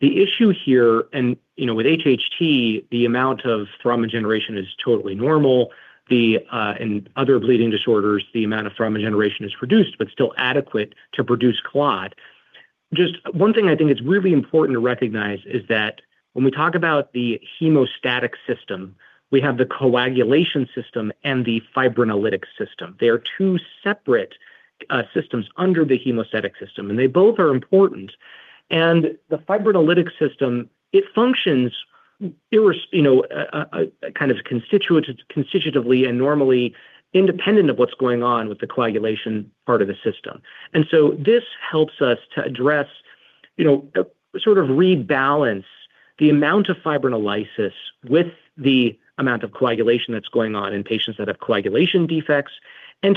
The issue here, and with HHT, the amount of thrombin generation is totally normal. In other bleeding disorders, the amount of thrombin generation is reduced, but still adequate to produce clot. Just one thing I think that's really important to recognize is that when we talk about the hemostatic system, we have the coagulation system and the fibrinolytic system. They are two separate systems under the hemostatic system, and they both are important. The fibrinolytic system, it functions kind of constitutively and normally independent of what's going on with the coagulation part of the system. This helps us to address, sort of rebalance the amount of fibrinolysis with the amount of coagulation that's going on in patients that have coagulation defects, and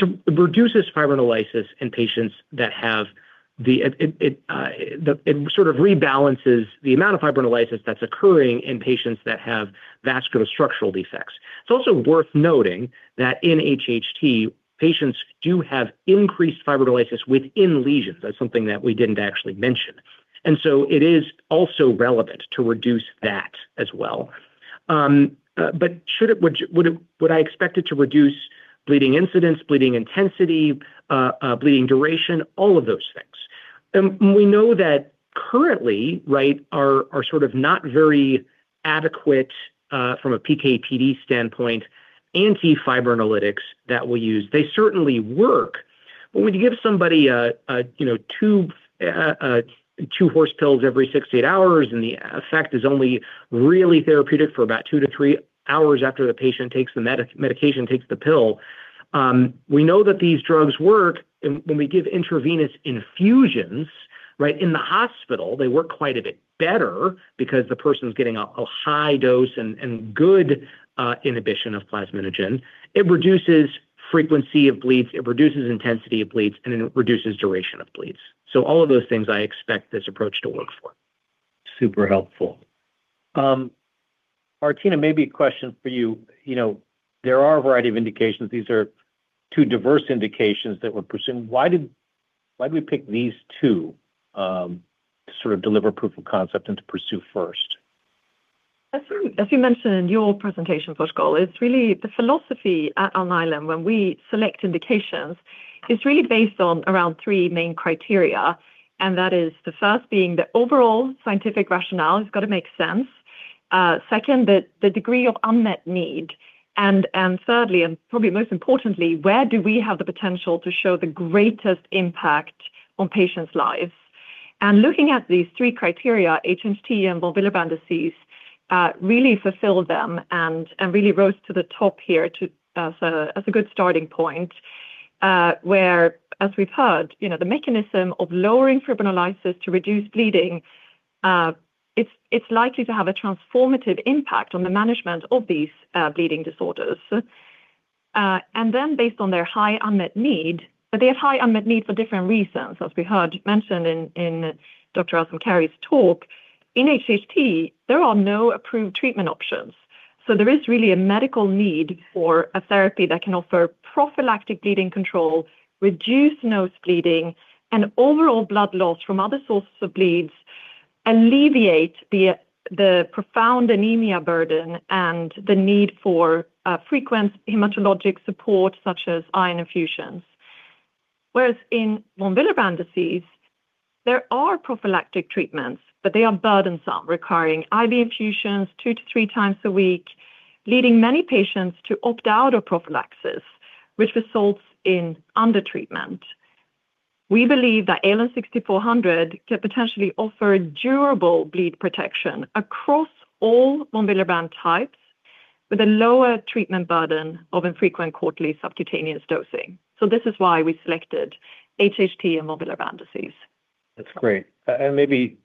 it sort of rebalances the amount of fibrinolysis that's occurring in patients that have vascular structural defects. It's also worth noting that in HHT, patients do have increased fibrinolysis within lesions. That's something that we didn't actually mention. It is also relevant to reduce that as well. Would I expect it to reduce bleeding incidents, bleeding intensity, bleeding duration, all of those things? We know that currently, right, are sort of not very adequate from a PK/PD standpoint, antifibrinolytics that we use. They certainly work. When you give somebody two horse pills every six to eight hours, and the effect is only really therapeutic for about two to three hours after the patient takes the medication, takes the pill. We know that these drugs work when we give intravenous infusions, right? In the hospital, they work quite a bit better because the person's getting a high dose and good inhibition of plasminogen. It reduces frequency of bleeds, it reduces intensity of bleeds, and it reduces duration of bleeds. All of those things I expect this approach to work for. Super helpful. Martina, maybe a question for you. There are a variety of indications. These are two diverse indications that we're pursuing. Why did we pick these two to sort of deliver proof of concept and to pursue first? As you mentioned in your presentation, Pushkal, it's really the philosophy at Alnylam when we select indications. It's really based on around three main criteria. That is the first being the overall scientific rationale, it's got to make sense. Second, the degree of unmet need, and thirdly, and probably most importantly, where do we have the potential to show the greatest impact on patients' lives? Looking at these three criteria, HHT and von Willebrand disease really fulfilled them and really rose to the top here as a good starting point. Where, as we've heard, the mechanism of lowering fibrinolysis to reduce bleeding, it's likely to have a transformative impact on the management of these bleeding disorders. Then based on their high unmet need, but they have high unmet need for different reasons. As we heard mentioned in Dr. Al-Samkari's talk, in HHT, there are no approved treatment options. There is really a medical need for a therapy that can offer prophylactic bleeding control, reduce nose bleeding, and overall blood loss from other sources of bleeds, alleviate the profound anemia burden, and the need for frequent hematologic support, such as iron infusions. Whereas in von Willebrand disease, there are prophylactic treatments, but they are burdensome, requiring IV infusions two to three times a week, leading many patients to opt out of prophylaxis, which results in under-treatment. We believe that ALN-6400 can potentially offer durable bleed protection across all von Willebrand types with a lower treatment burden of infrequent quarterly subcutaneous dosing. This is why we selected HHT and von Willebrand disease. That's great. Maybe,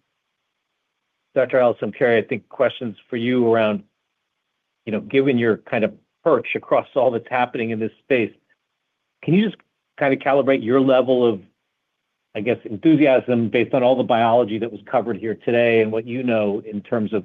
Dr. Al-Samkari, I think questions for you around, given your kind of perch across all that's happening in this space, can you just kind of calibrate your level of, I guess, enthusiasm based on all the biology that was covered here today and what you know in terms of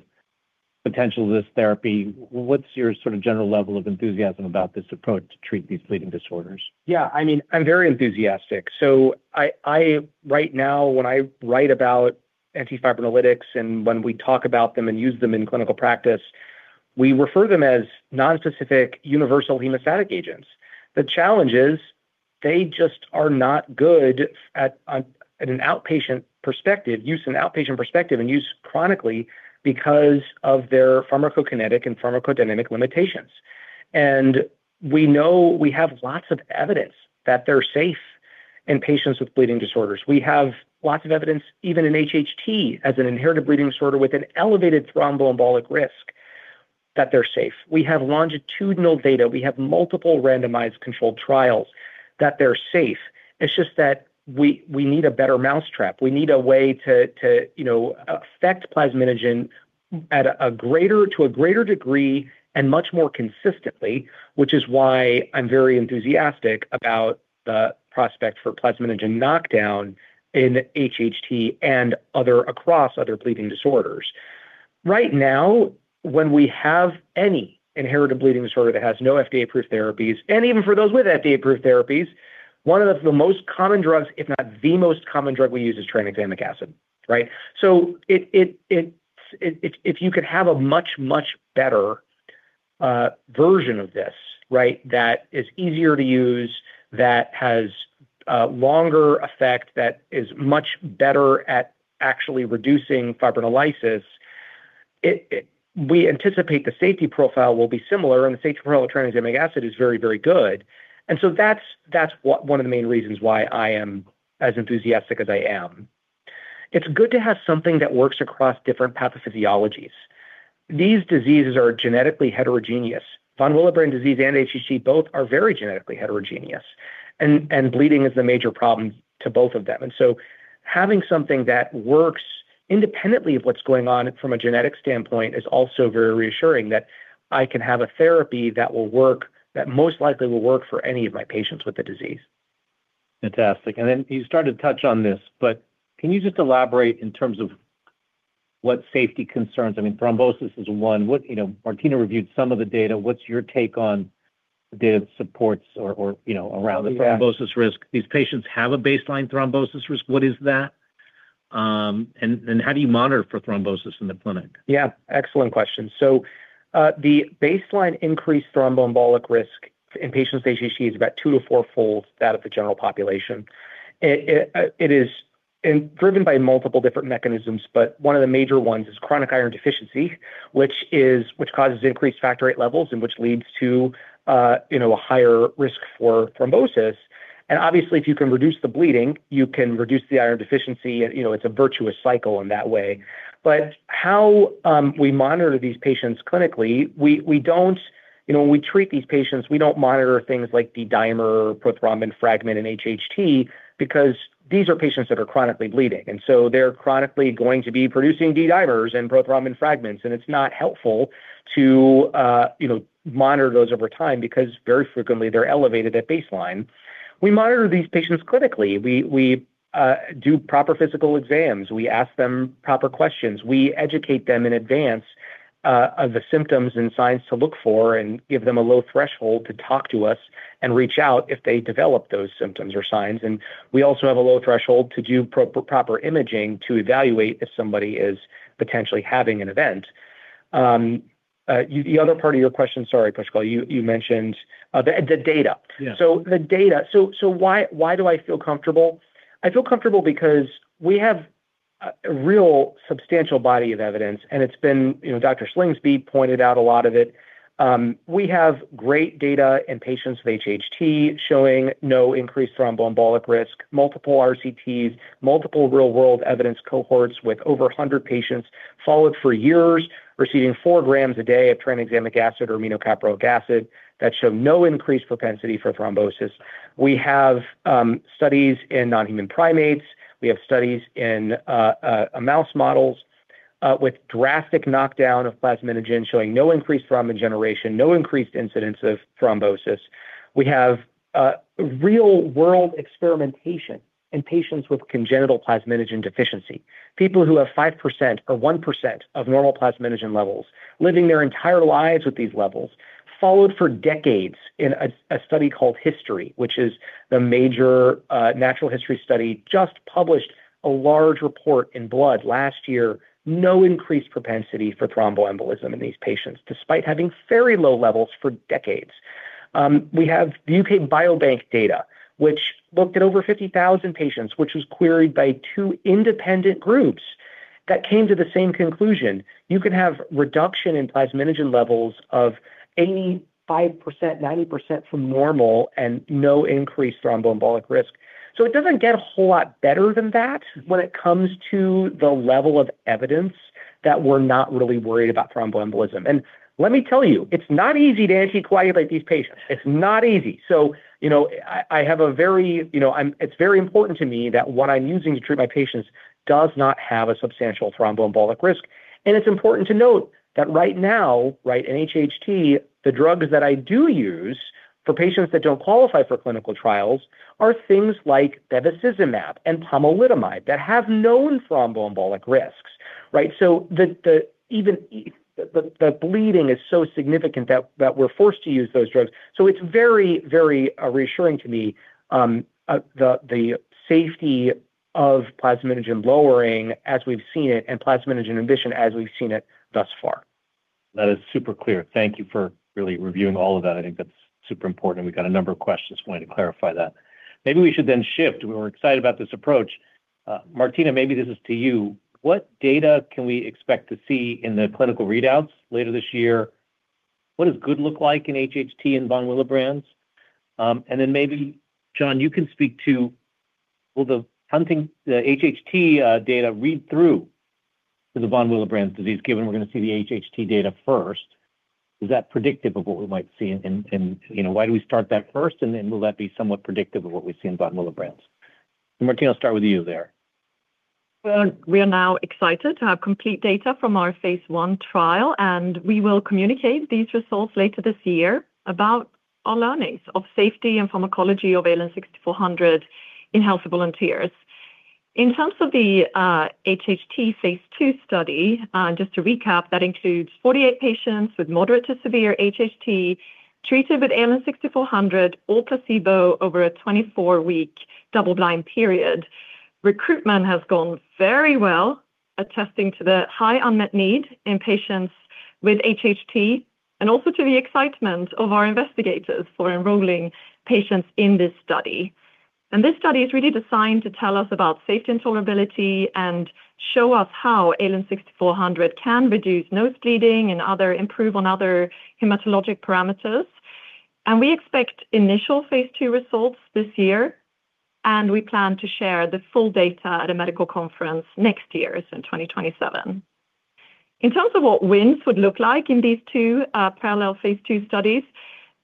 potential of this therapy? What's your sort of general level of enthusiasm about this approach to treat these bleeding disorders? I'm very enthusiastic. Right now, when I write about antifibrinolytics and when we talk about them and use them in clinical practice, we refer to them as nonspecific universal hemostatic agents. The challenge is they just are not good at an outpatient perspective, use an outpatient perspective, and use chronically because of their pharmacokinetic and pharmacodynamic limitations. We know we have lots of evidence that they're safe in patients with bleeding disorders. We have lots of evidence, even in HHT, as an inherited bleeding disorder with an elevated thromboembolic risk, that they're safe. We have longitudinal data. We have multiple randomized controlled trials that they're safe. It's just that we need a better mousetrap. We need a way to affect plasminogen to a greater degree and much more consistently, which is why I'm very enthusiastic about the prospect for plasminogen knockdown in HHT and across other bleeding disorders. Right now, when we have any inherited bleeding disorder that has no FDA-approved therapies, and even for those with FDA-approved therapies, one of the most common drugs, if not the most common drug we use is tranexamic acid. Right. If you could have a much, much better version of this, that is easier to use, that has a longer effect, that is much better at actually reducing fibrinolysis, we anticipate the safety profile will be similar, and the safety profile of tranexamic acid is very, very good. That's one of the main reasons why I am as enthusiastic as I am. It's good to have something that works across different pathophysiologies. These diseases are genetically heterogeneous. Von Willebrand disease and HHT both are very genetically heterogeneous, and bleeding is the major problem to both of them. Having something that works independently of what's going on from a genetic standpoint is also very reassuring that I can have a therapy that most likely will work for any of my patients with the disease. Fantastic. Then you started to touch on this, but can you just elaborate in terms of what safety concerns? I mean, thrombosis is one. Martina reviewed some of the data. What's your take on the data that supports or around the thrombosis risk? These patients have a baseline thrombosis risk. What is that? How do you monitor for thrombosis in the clinic? Excellent question. The baseline increased thromboembolic risk in patients with HHT is about two to fourfold that of the general population. It is driven by multiple different mechanisms, but one of the major ones is chronic iron deficiency, which causes increased factor VIII levels and which leads to a higher risk for thrombosis. Obviously, if you can reduce the bleeding, you can reduce the iron deficiency. It's a virtuous cycle in that way. How we monitor these patients clinically, when we treat these patients, we don't monitor things like D-dimer or prothrombin fragment in HHT because these are patients that are chronically bleeding. They're chronically going to be producing D-dimers and prothrombin fragments, and it's not helpful to monitor those over time because very frequently, they're elevated at baseline. We monitor these patients clinically. We do proper physical exams. We ask them proper questions. We educate them in advance of the symptoms and signs to look for and give them a low threshold to talk to us and reach out if they develop those symptoms or signs. We also have a low threshold to do proper imaging to evaluate if somebody is potentially having an event. The other part of your question, sorry, Pushkal, you mentioned the data. Yeah. The data. Why do I feel comfortable? I feel comfortable because we have a real substantial body of evidence, and Dr. Slingsby pointed out a lot of it. We have great data in patients with HHT showing no increased thromboembolic risk, multiple RCTs, multiple real-world evidence cohorts with over 100 patients followed for years, receiving four grams a day of tranexamic acid or aminocaproic acid that show no increased propensity for thrombosis. We have studies in non-human primates. We have studies in a mouse model with drastic knockdown of plasminogen showing no increased thrombin generation, no increased incidence of thrombosis. We have real-world experimentation in patients with congenital plasminogen deficiency. People who have 5% or 1% of normal plasminogen levels living their entire lives with these levels, followed for decades in a study called HISTORY, which is the major natural history study, just published a large report in "Blood" last year. No increased propensity for thromboembolism in these patients, despite having very low levels for decades. We have UK Biobank data, which looked at over 50,000 patients, which was queried by two independent groups that came to the same conclusion. You could have reduction in plasminogen levels of 85%, 90% from normal and no increased thromboembolic risk. It doesn't get a whole lot better than that when it comes to the level of evidence that we're not really worried about thromboembolism. Let me tell you, it's not easy to anticoagulate these patients. It's not easy. It's very important to me that what I'm using to treat my patients does not have a substantial thromboembolic risk. It's important to note that right now, in HHT, the drugs that I do use for patients that don't qualify for clinical trials are things like bevacizumab and pomalidomide that have known thromboembolic risks, right? The bleeding is so significant that we're forced to use those drugs. It's very reassuring to me the safety of plasminogen lowering as we've seen it, and plasminogen inhibition as we've seen it thus far. That is super clear. Thank you for really reviewing all of that. I think that's super important, and we got a number of questions wanting to clarify that. Maybe we should then shift. We were excited about this approach. Martina, maybe this is to you, what data can we expect to see in the clinical readouts later this year? What does good look like in HHT and von Willebrand? Then maybe, John, you can speak to will the HHT data read through to the von Willebrand disease, given we're going to see the HHT data first? Is that predictive of what we might see, and why do we start that first, and then will that be somewhat predictive of what we see in von Willebrand? Martina, I'll start with you there. Well, we are now excited to have complete data from our phase I trial, and we will communicate these results later this year about our learnings of safety and pharmacology of ALN-6400 in healthy volunteers. In terms of the HHT phase II study, just to recap, that includes 48 patients with moderate to severe HHT treated with ALN-6400 or placebo over a 24-week double-blind period. Recruitment has gone very well, attesting to the high unmet need in patients with HHT and also to the excitement of our investigators for enrolling patients in this study. This study is really designed to tell us about safety and tolerability and show us how ALN-6400 can reduce nose bleeding and improve on other hematologic parameters. We expect initial phase II results this year, and we plan to share the full data at a medical conference next year, so in 2027. In terms of what wins would look like in these two parallel phase II studies,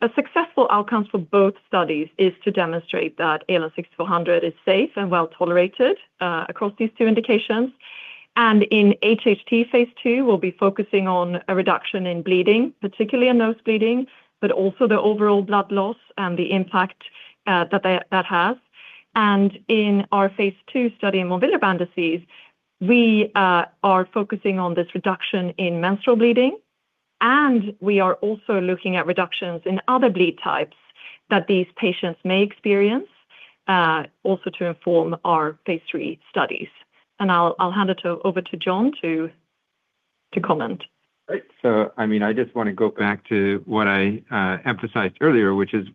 a successful outcome for both studies is to demonstrate that ALN-6400 is safe and well-tolerated across these two indications. In HHT phase II, we'll be focusing on a reduction in bleeding, particularly in nose bleeding, but also the overall blood loss and the impact that has. In our phase II study in von Willebrand disease, we are focusing on this reduction in menstrual bleeding, and we are also looking at reductions in other bleed types that these patients may experience, also to inform our phase III studies. I'll hand it over to John to comment. I just want to go back to what I emphasized earlier, which is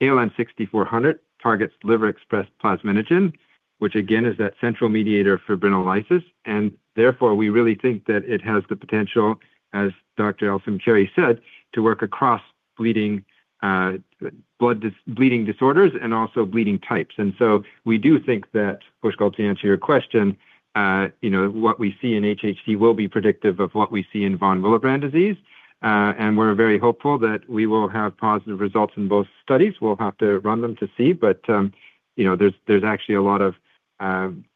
ALN-6400 targets liver-expressed plasminogen, which again, is that central mediator for fibrinolysis, and therefore, we really think that it has the potential, as Dr. Al-Samkari said, to work across bleeding disorders and also bleeding types. We do think that, Pushkal, to answer your question, what we see in HHT will be predictive of what we see in von Willebrand disease. We're very hopeful that we will have positive results in both studies. We'll have to run them to see, but there's actually a lot of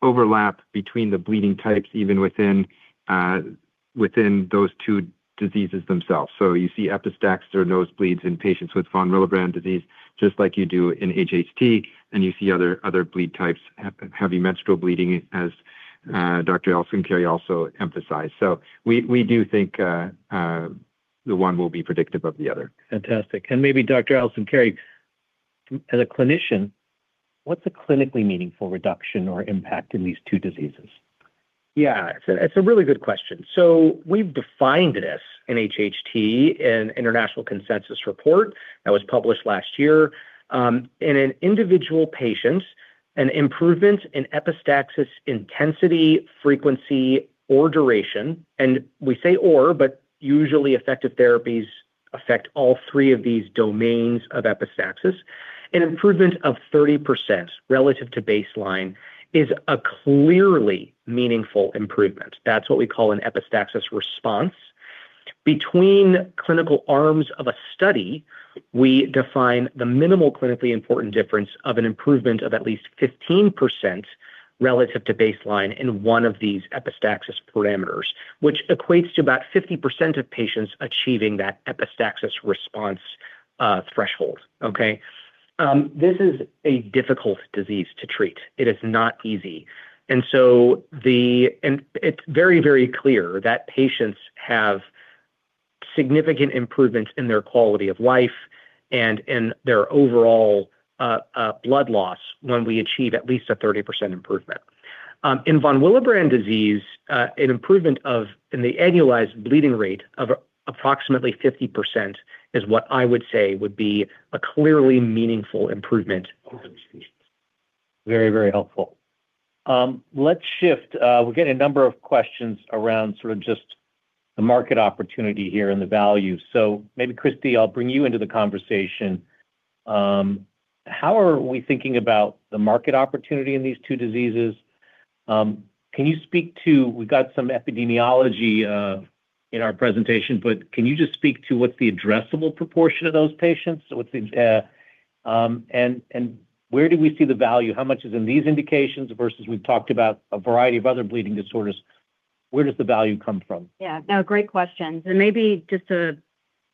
overlap between the bleeding types, even within those two diseases themselves. You see epistaxis or nosebleeds in patients with von Willebrand disease just like you do in HHT, and you see other bleed types, heavy menstrual bleeding, as Dr. Al-Samkari also emphasized. We do think the one will be predictive of the other. Fantastic. Maybe Dr. Al-Samkari, as a clinician, what's a clinically meaningful reduction or impact in these two diseases? Yeah. It's a really good question. We've defined this in HHT, an international consensus report that was published last year. In an individual patient, an improvement in epistaxis intensity, frequency, or duration, and we say or, but usually effective therapies affect all three of these domains of epistaxis. An improvement of 30% relative to baseline is a clearly meaningful improvement. That's what we call an epistaxis response. Between clinical arms of a study, we define the minimal clinically important difference of an improvement of at least 15% relative to baseline in one of these epistaxis parameters, which equates to about 50% of patients achieving that epistaxis response threshold. Okay. This is a difficult disease to treat. It is not easy. It's very clear that patients have significant improvements in their quality of life and in their overall blood loss when we achieve at least a 30% improvement. In von Willebrand disease, an improvement in the annualized bleeding rate of approximately 50% is what I would say would be a clearly meaningful improvement over disease. Very helpful. Let's shift. We're getting a number of questions around sort of just the market opportunity here and the value. Maybe Christi, I'll bring you into the conversation. How are we thinking about the market opportunity in these two diseases? We've got some epidemiology in our presentation, but can you just speak to what's the addressable proportion of those patients? Where do we see the value? How much is in these indications versus we've talked about a variety of other bleeding disorders. Where does the value come from? Yeah, no, great questions. Maybe just to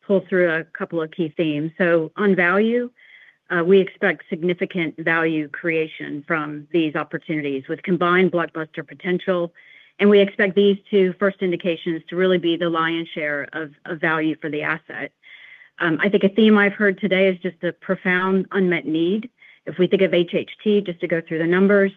pull through a couple of key themes. On value, we expect significant value creation from these opportunities with combined blockbuster potential, and we expect these two first indications to really be the lion's share of value for the asset. I think a theme I've heard today is just the profound unmet need. If we think of HHT, just to go through the numbers,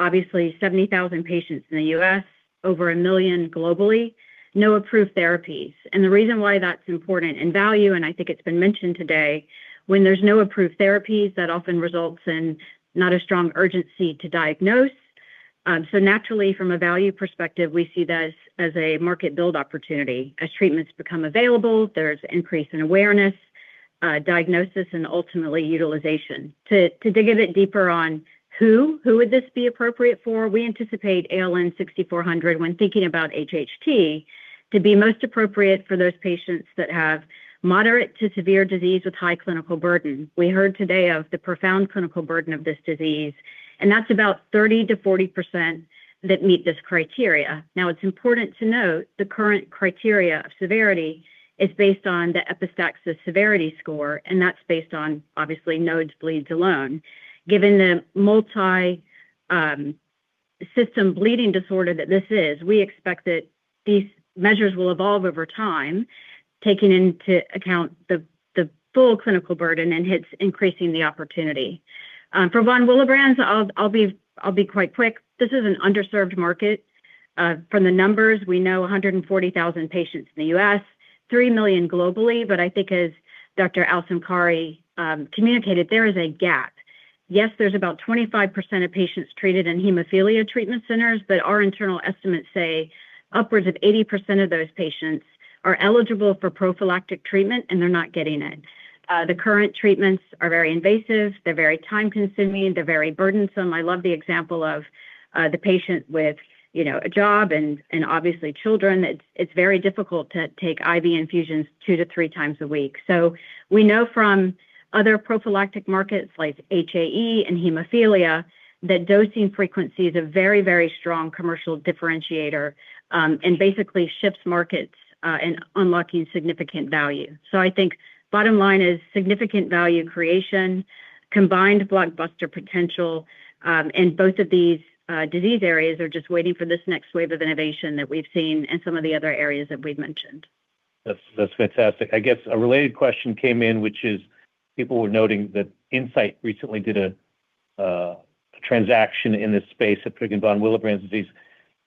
obviously 70,000 patients in the U.S., over a million globally, no approved therapies. The reason why that's important in value, and I think it's been mentioned today, when there's no approved therapies, that often results in not a strong urgency to diagnose. Naturally, from a value perspective, we see this as a market build opportunity. As treatments become available, there's increase in awareness, diagnosis, and ultimately utilization. To dig a bit deeper on who would this be appropriate for, we anticipate ALN-6400, when thinking about HHT, to be most appropriate for those patients that have moderate to severe disease with high clinical burden. We heard today of the profound clinical burden of this disease, and that's about 30%-40% that meet this criteria. Now it's important to note the current criteria of severity is based on the epistaxis severity score, and that's based on, obviously, nosebleeds alone. Given the multi-system bleeding disorder that this is, we expect that these measures will evolve over time, taking into account the full clinical burden and hence increasing the opportunity. For von Willebrand's, I'll be quite quick. This is an underserved market. From the numbers, we know 140,000 patients in the U.S., 3 million globally. I think as Dr. Al-Samkari communicated, there is a gap. There's about 25% of patients treated in hemophilia treatment centers, but our internal estimates say upwards of 80% of those patients are eligible for prophylactic treatment, and they're not getting it. The current treatments are very invasive. They're very time-consuming. They're very burdensome. I love the example of the patient with a job and obviously children. It's very difficult to take IV infusions two to three times a week. We know from other prophylactic markets like HAE and hemophilia that dosing frequency is a very strong commercial differentiator and basically shifts markets in unlocking significant value. I think bottom line is significant value creation, combined blockbuster potential, and both of these disease areas are just waiting for this next wave of innovation that we've seen in some of the other areas that we've mentioned. That's fantastic. I guess a related question came in which is people were noting that Incyte recently did a transaction in this space of treating von Willebrand disease.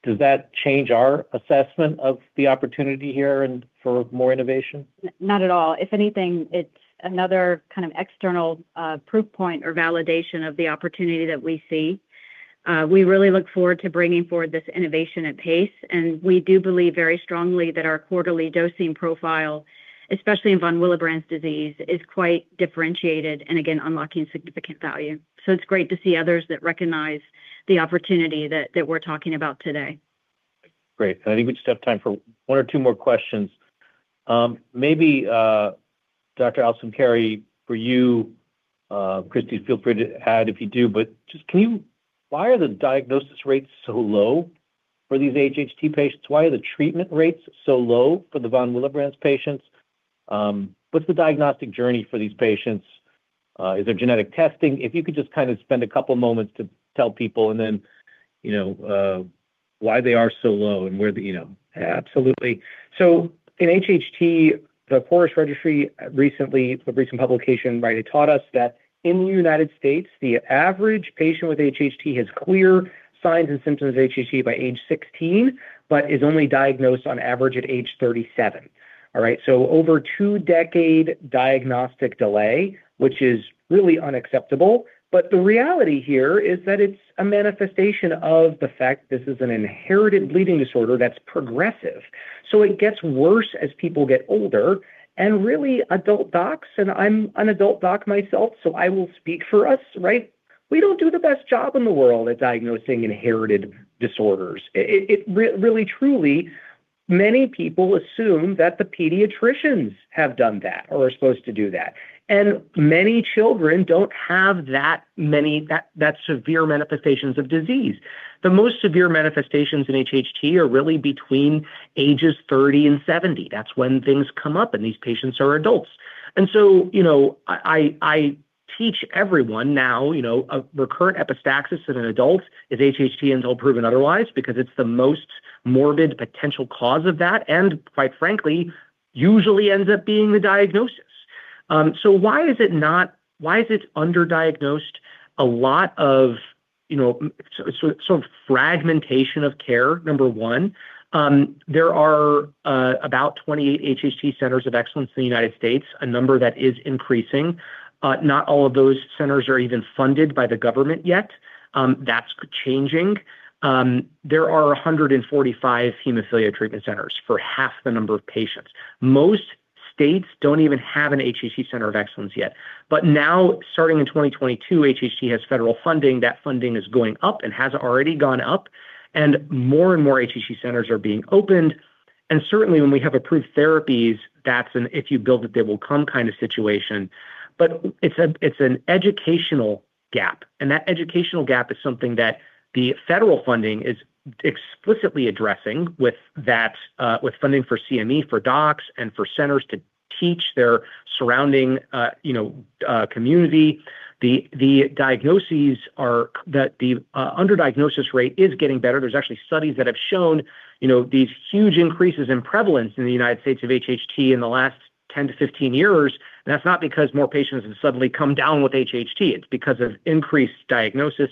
Does that change our assessment of the opportunity here and for more innovation? Not at all. If anything, it's another kind of external proof point or validation of the opportunity that we see. We really look forward to bringing forward this innovation at pace, and we do believe very strongly that our quarterly dosing profile, especially in von Willebrand disease, is quite differentiated and again, unlocking significant value. It's great to see others that recognize the opportunity that we're talking about today. Great. I think we just have time for one or two more questions. Maybe, Dr. Al-Samkari, for you, Christi, feel free to add if you do, why are the diagnosis rates so low for these HHT patients? Why are the treatment rates so low for the von Willebrand patients? What's the diagnostic journey for these patients? Is there genetic testing? If you could just kind of spend a couple moments to tell people why they are so low and where- Absolutely. In HHT, the CHORUS registry recently, the recent publication, it taught us that in the U.S., the average patient with HHT has clear signs and symptoms of HHT by age 16, but is only diagnosed on average at age 37. All right. Over a two-decade diagnostic delay, which is really unacceptable. The reality here is that it's a manifestation of the fact this is an inherited bleeding disorder that's progressive. It gets worse as people get older and really adult docs, and I'm an adult doc myself, so I will speak for us, right? We don't do the best job in the world at diagnosing inherited disorders. Really truly, many people assume that the pediatricians have done that or are supposed to do that, and many children don't have that severe manifestations of disease. The most severe manifestations in HHT are really between ages 30 and 70. That's when things come up, and these patients are adults. I teach everyone now, a recurrent epistaxis in an adult is HHT until proven otherwise, because it's the most morbid potential cause of that, and quite frankly, usually ends up being the diagnosis. Why is it under-diagnosed? A lot of sort of fragmentation of care, number one. There are about 28 HHT centers of excellence in the U.S., a number that is increasing. Not all of those centers are even funded by the government yet. That's changing. There are 145 hemophilia treatment centers for half the number of patients. Most states don't even have an HHT center of excellence yet. Now, starting in 2022, HHT has federal funding. That funding is going up and has already gone up, and more and more HHT centers are being opened. Certainly, when we have approved therapies, that's an if-you-build-it-they-will-come kind of situation. It's an educational gap, and that educational gap is something that the federal funding is explicitly addressing with funding for CME for docs and for centers to teach their surrounding community. The under-diagnosis rate is getting better. There's actually studies that have shown these huge increases in prevalence in the U.S. of HHT in the last 10-15 years, and that's not because more patients have suddenly come down with HHT, it's because of increased diagnosis.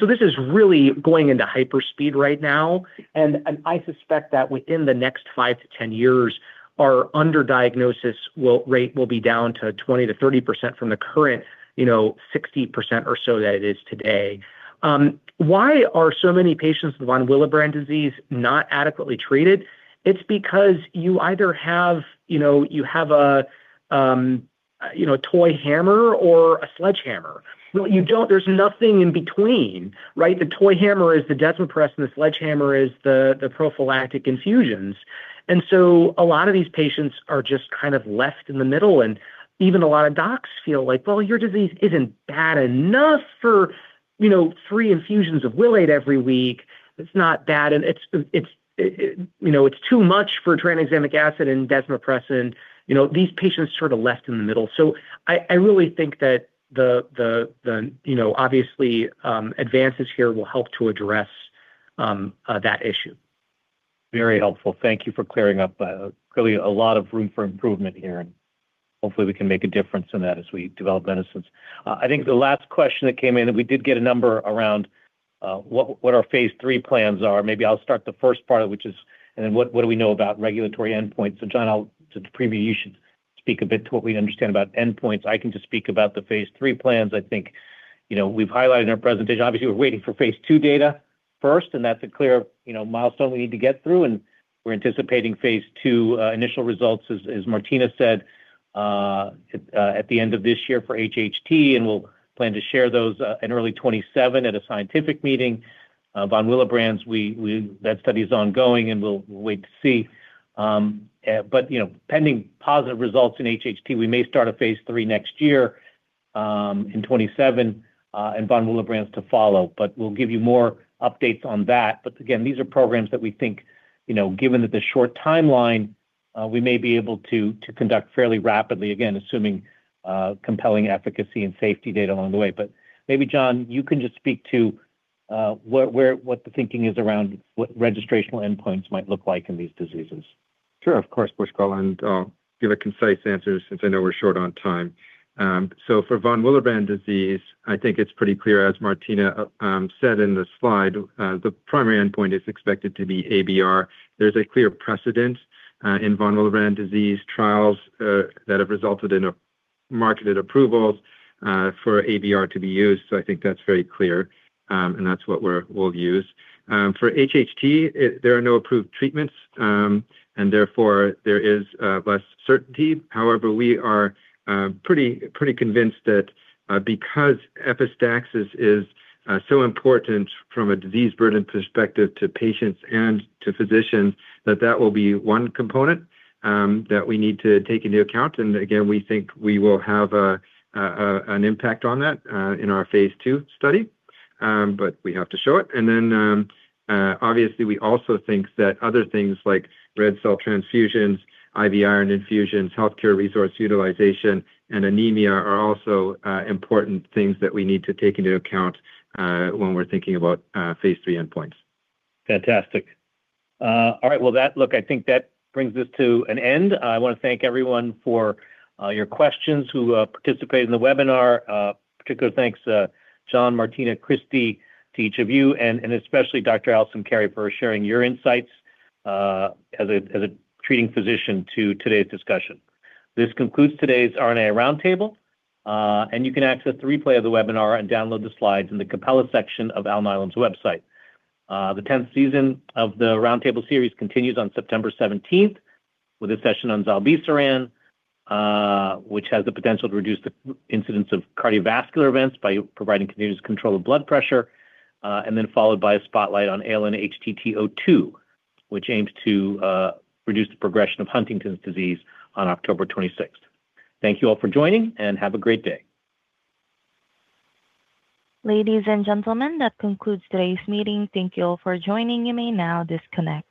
This is really going into hyper-speed right now, and I suspect that within the next 5-10 years, our under-diagnosis rate will be down to 20%-30% from the current 60% or so that it is today. Why are so many patients with von Willebrand disease not adequately treated? It's because you either have a toy hammer or a sledgehammer. There's nothing in between, right? The toy hammer is the desmopressin, the sledgehammer is the prophylactic infusions. A lot of these patients are just kind of left in the middle and even a lot of docs feel like, "Well, your disease isn't bad enough for three infusions of Wilate every week. It's too much for tranexamic acid and desmopressin." These patients are sort of left in the middle. I really think that obviously, advances here will help to address that issue. Very helpful. Thank you for clearing up. Clearly a lot of room for improvement here, and hopefully we can make a difference in that as we develop medicines. I think the last question that came in, we did get a number around what our phase III plans are. Maybe I'll start the first part, what do we know about regulatory endpoints? John, I'll say to you should speak a bit to what we understand about endpoints. I can just speak about the phase III plans. I think we've highlighted in our presentation, obviously we're waiting for phase II data first, that's a clear milestone we need to get through, we're anticipating phase II initial results, as Martina said, at the end of this year for HHT, we'll plan to share those in early 2027 at a scientific meeting. Von Willebrand's, that study is ongoing, we'll wait to see. Pending positive results in HHT, we may start a phase III next year in 2027, von Willebrand's to follow. We'll give you more updates on that. Again, these are programs that we think, given that the short timeline, we may be able to conduct fairly rapidly, again, assuming compelling efficacy and safety data along the way. Maybe, John, you can just speak to what the thinking is around what registrational endpoints might look like in these diseases. Sure. Of course, Pushkal, I'll give a concise answer since I know we're short on time. For von Willebrand disease, I think it's pretty clear, as Martina said in the slide, the primary endpoint is expected to be ABR. There's a clear precedent in von Willebrand disease trials that have resulted in marketed approvals for ABR to be used, I think that's very clear, that's what we'll use. For HHT, there are no approved treatments, therefore there is less certainty. However, we are pretty convinced that because epistaxis is so important from a disease burden perspective to patients and to physicians, that will be one component that we need to take into account. Again, we think we will have an impact on that in our phase II study. We have to show it. Obviously we also think that other things like red cell transfusions, IV iron infusions, healthcare resource utilization, and anemia are also important things that we need to take into account when we're thinking about phase III endpoints. Fantastic. All right. Well, look, I think that brings us to an end. I want to thank everyone for your questions who participated in the webinar. Particular thanks, John, Martina, Christi, to each of you, and especially Dr. Al-Samkari for sharing your insights as a treating physician to today's discussion. This concludes today's RNAi Roundtable, you can access the replay of the webinar and download the slides in the Capella section of Alnylam's website. The 10th season of the Roundtable series continues on September 17th with a session on zilebesiran, which has the potential to reduce the incidence of cardiovascular events by providing continuous control of blood pressure, followed by a spotlight on ALN-HTT02, which aims to reduce the progression of Huntington's disease on October 26th. Thank you all for joining, and have a great day. Ladies and gentlemen, that concludes today's meeting. Thank you all for joining. You may now disconnect.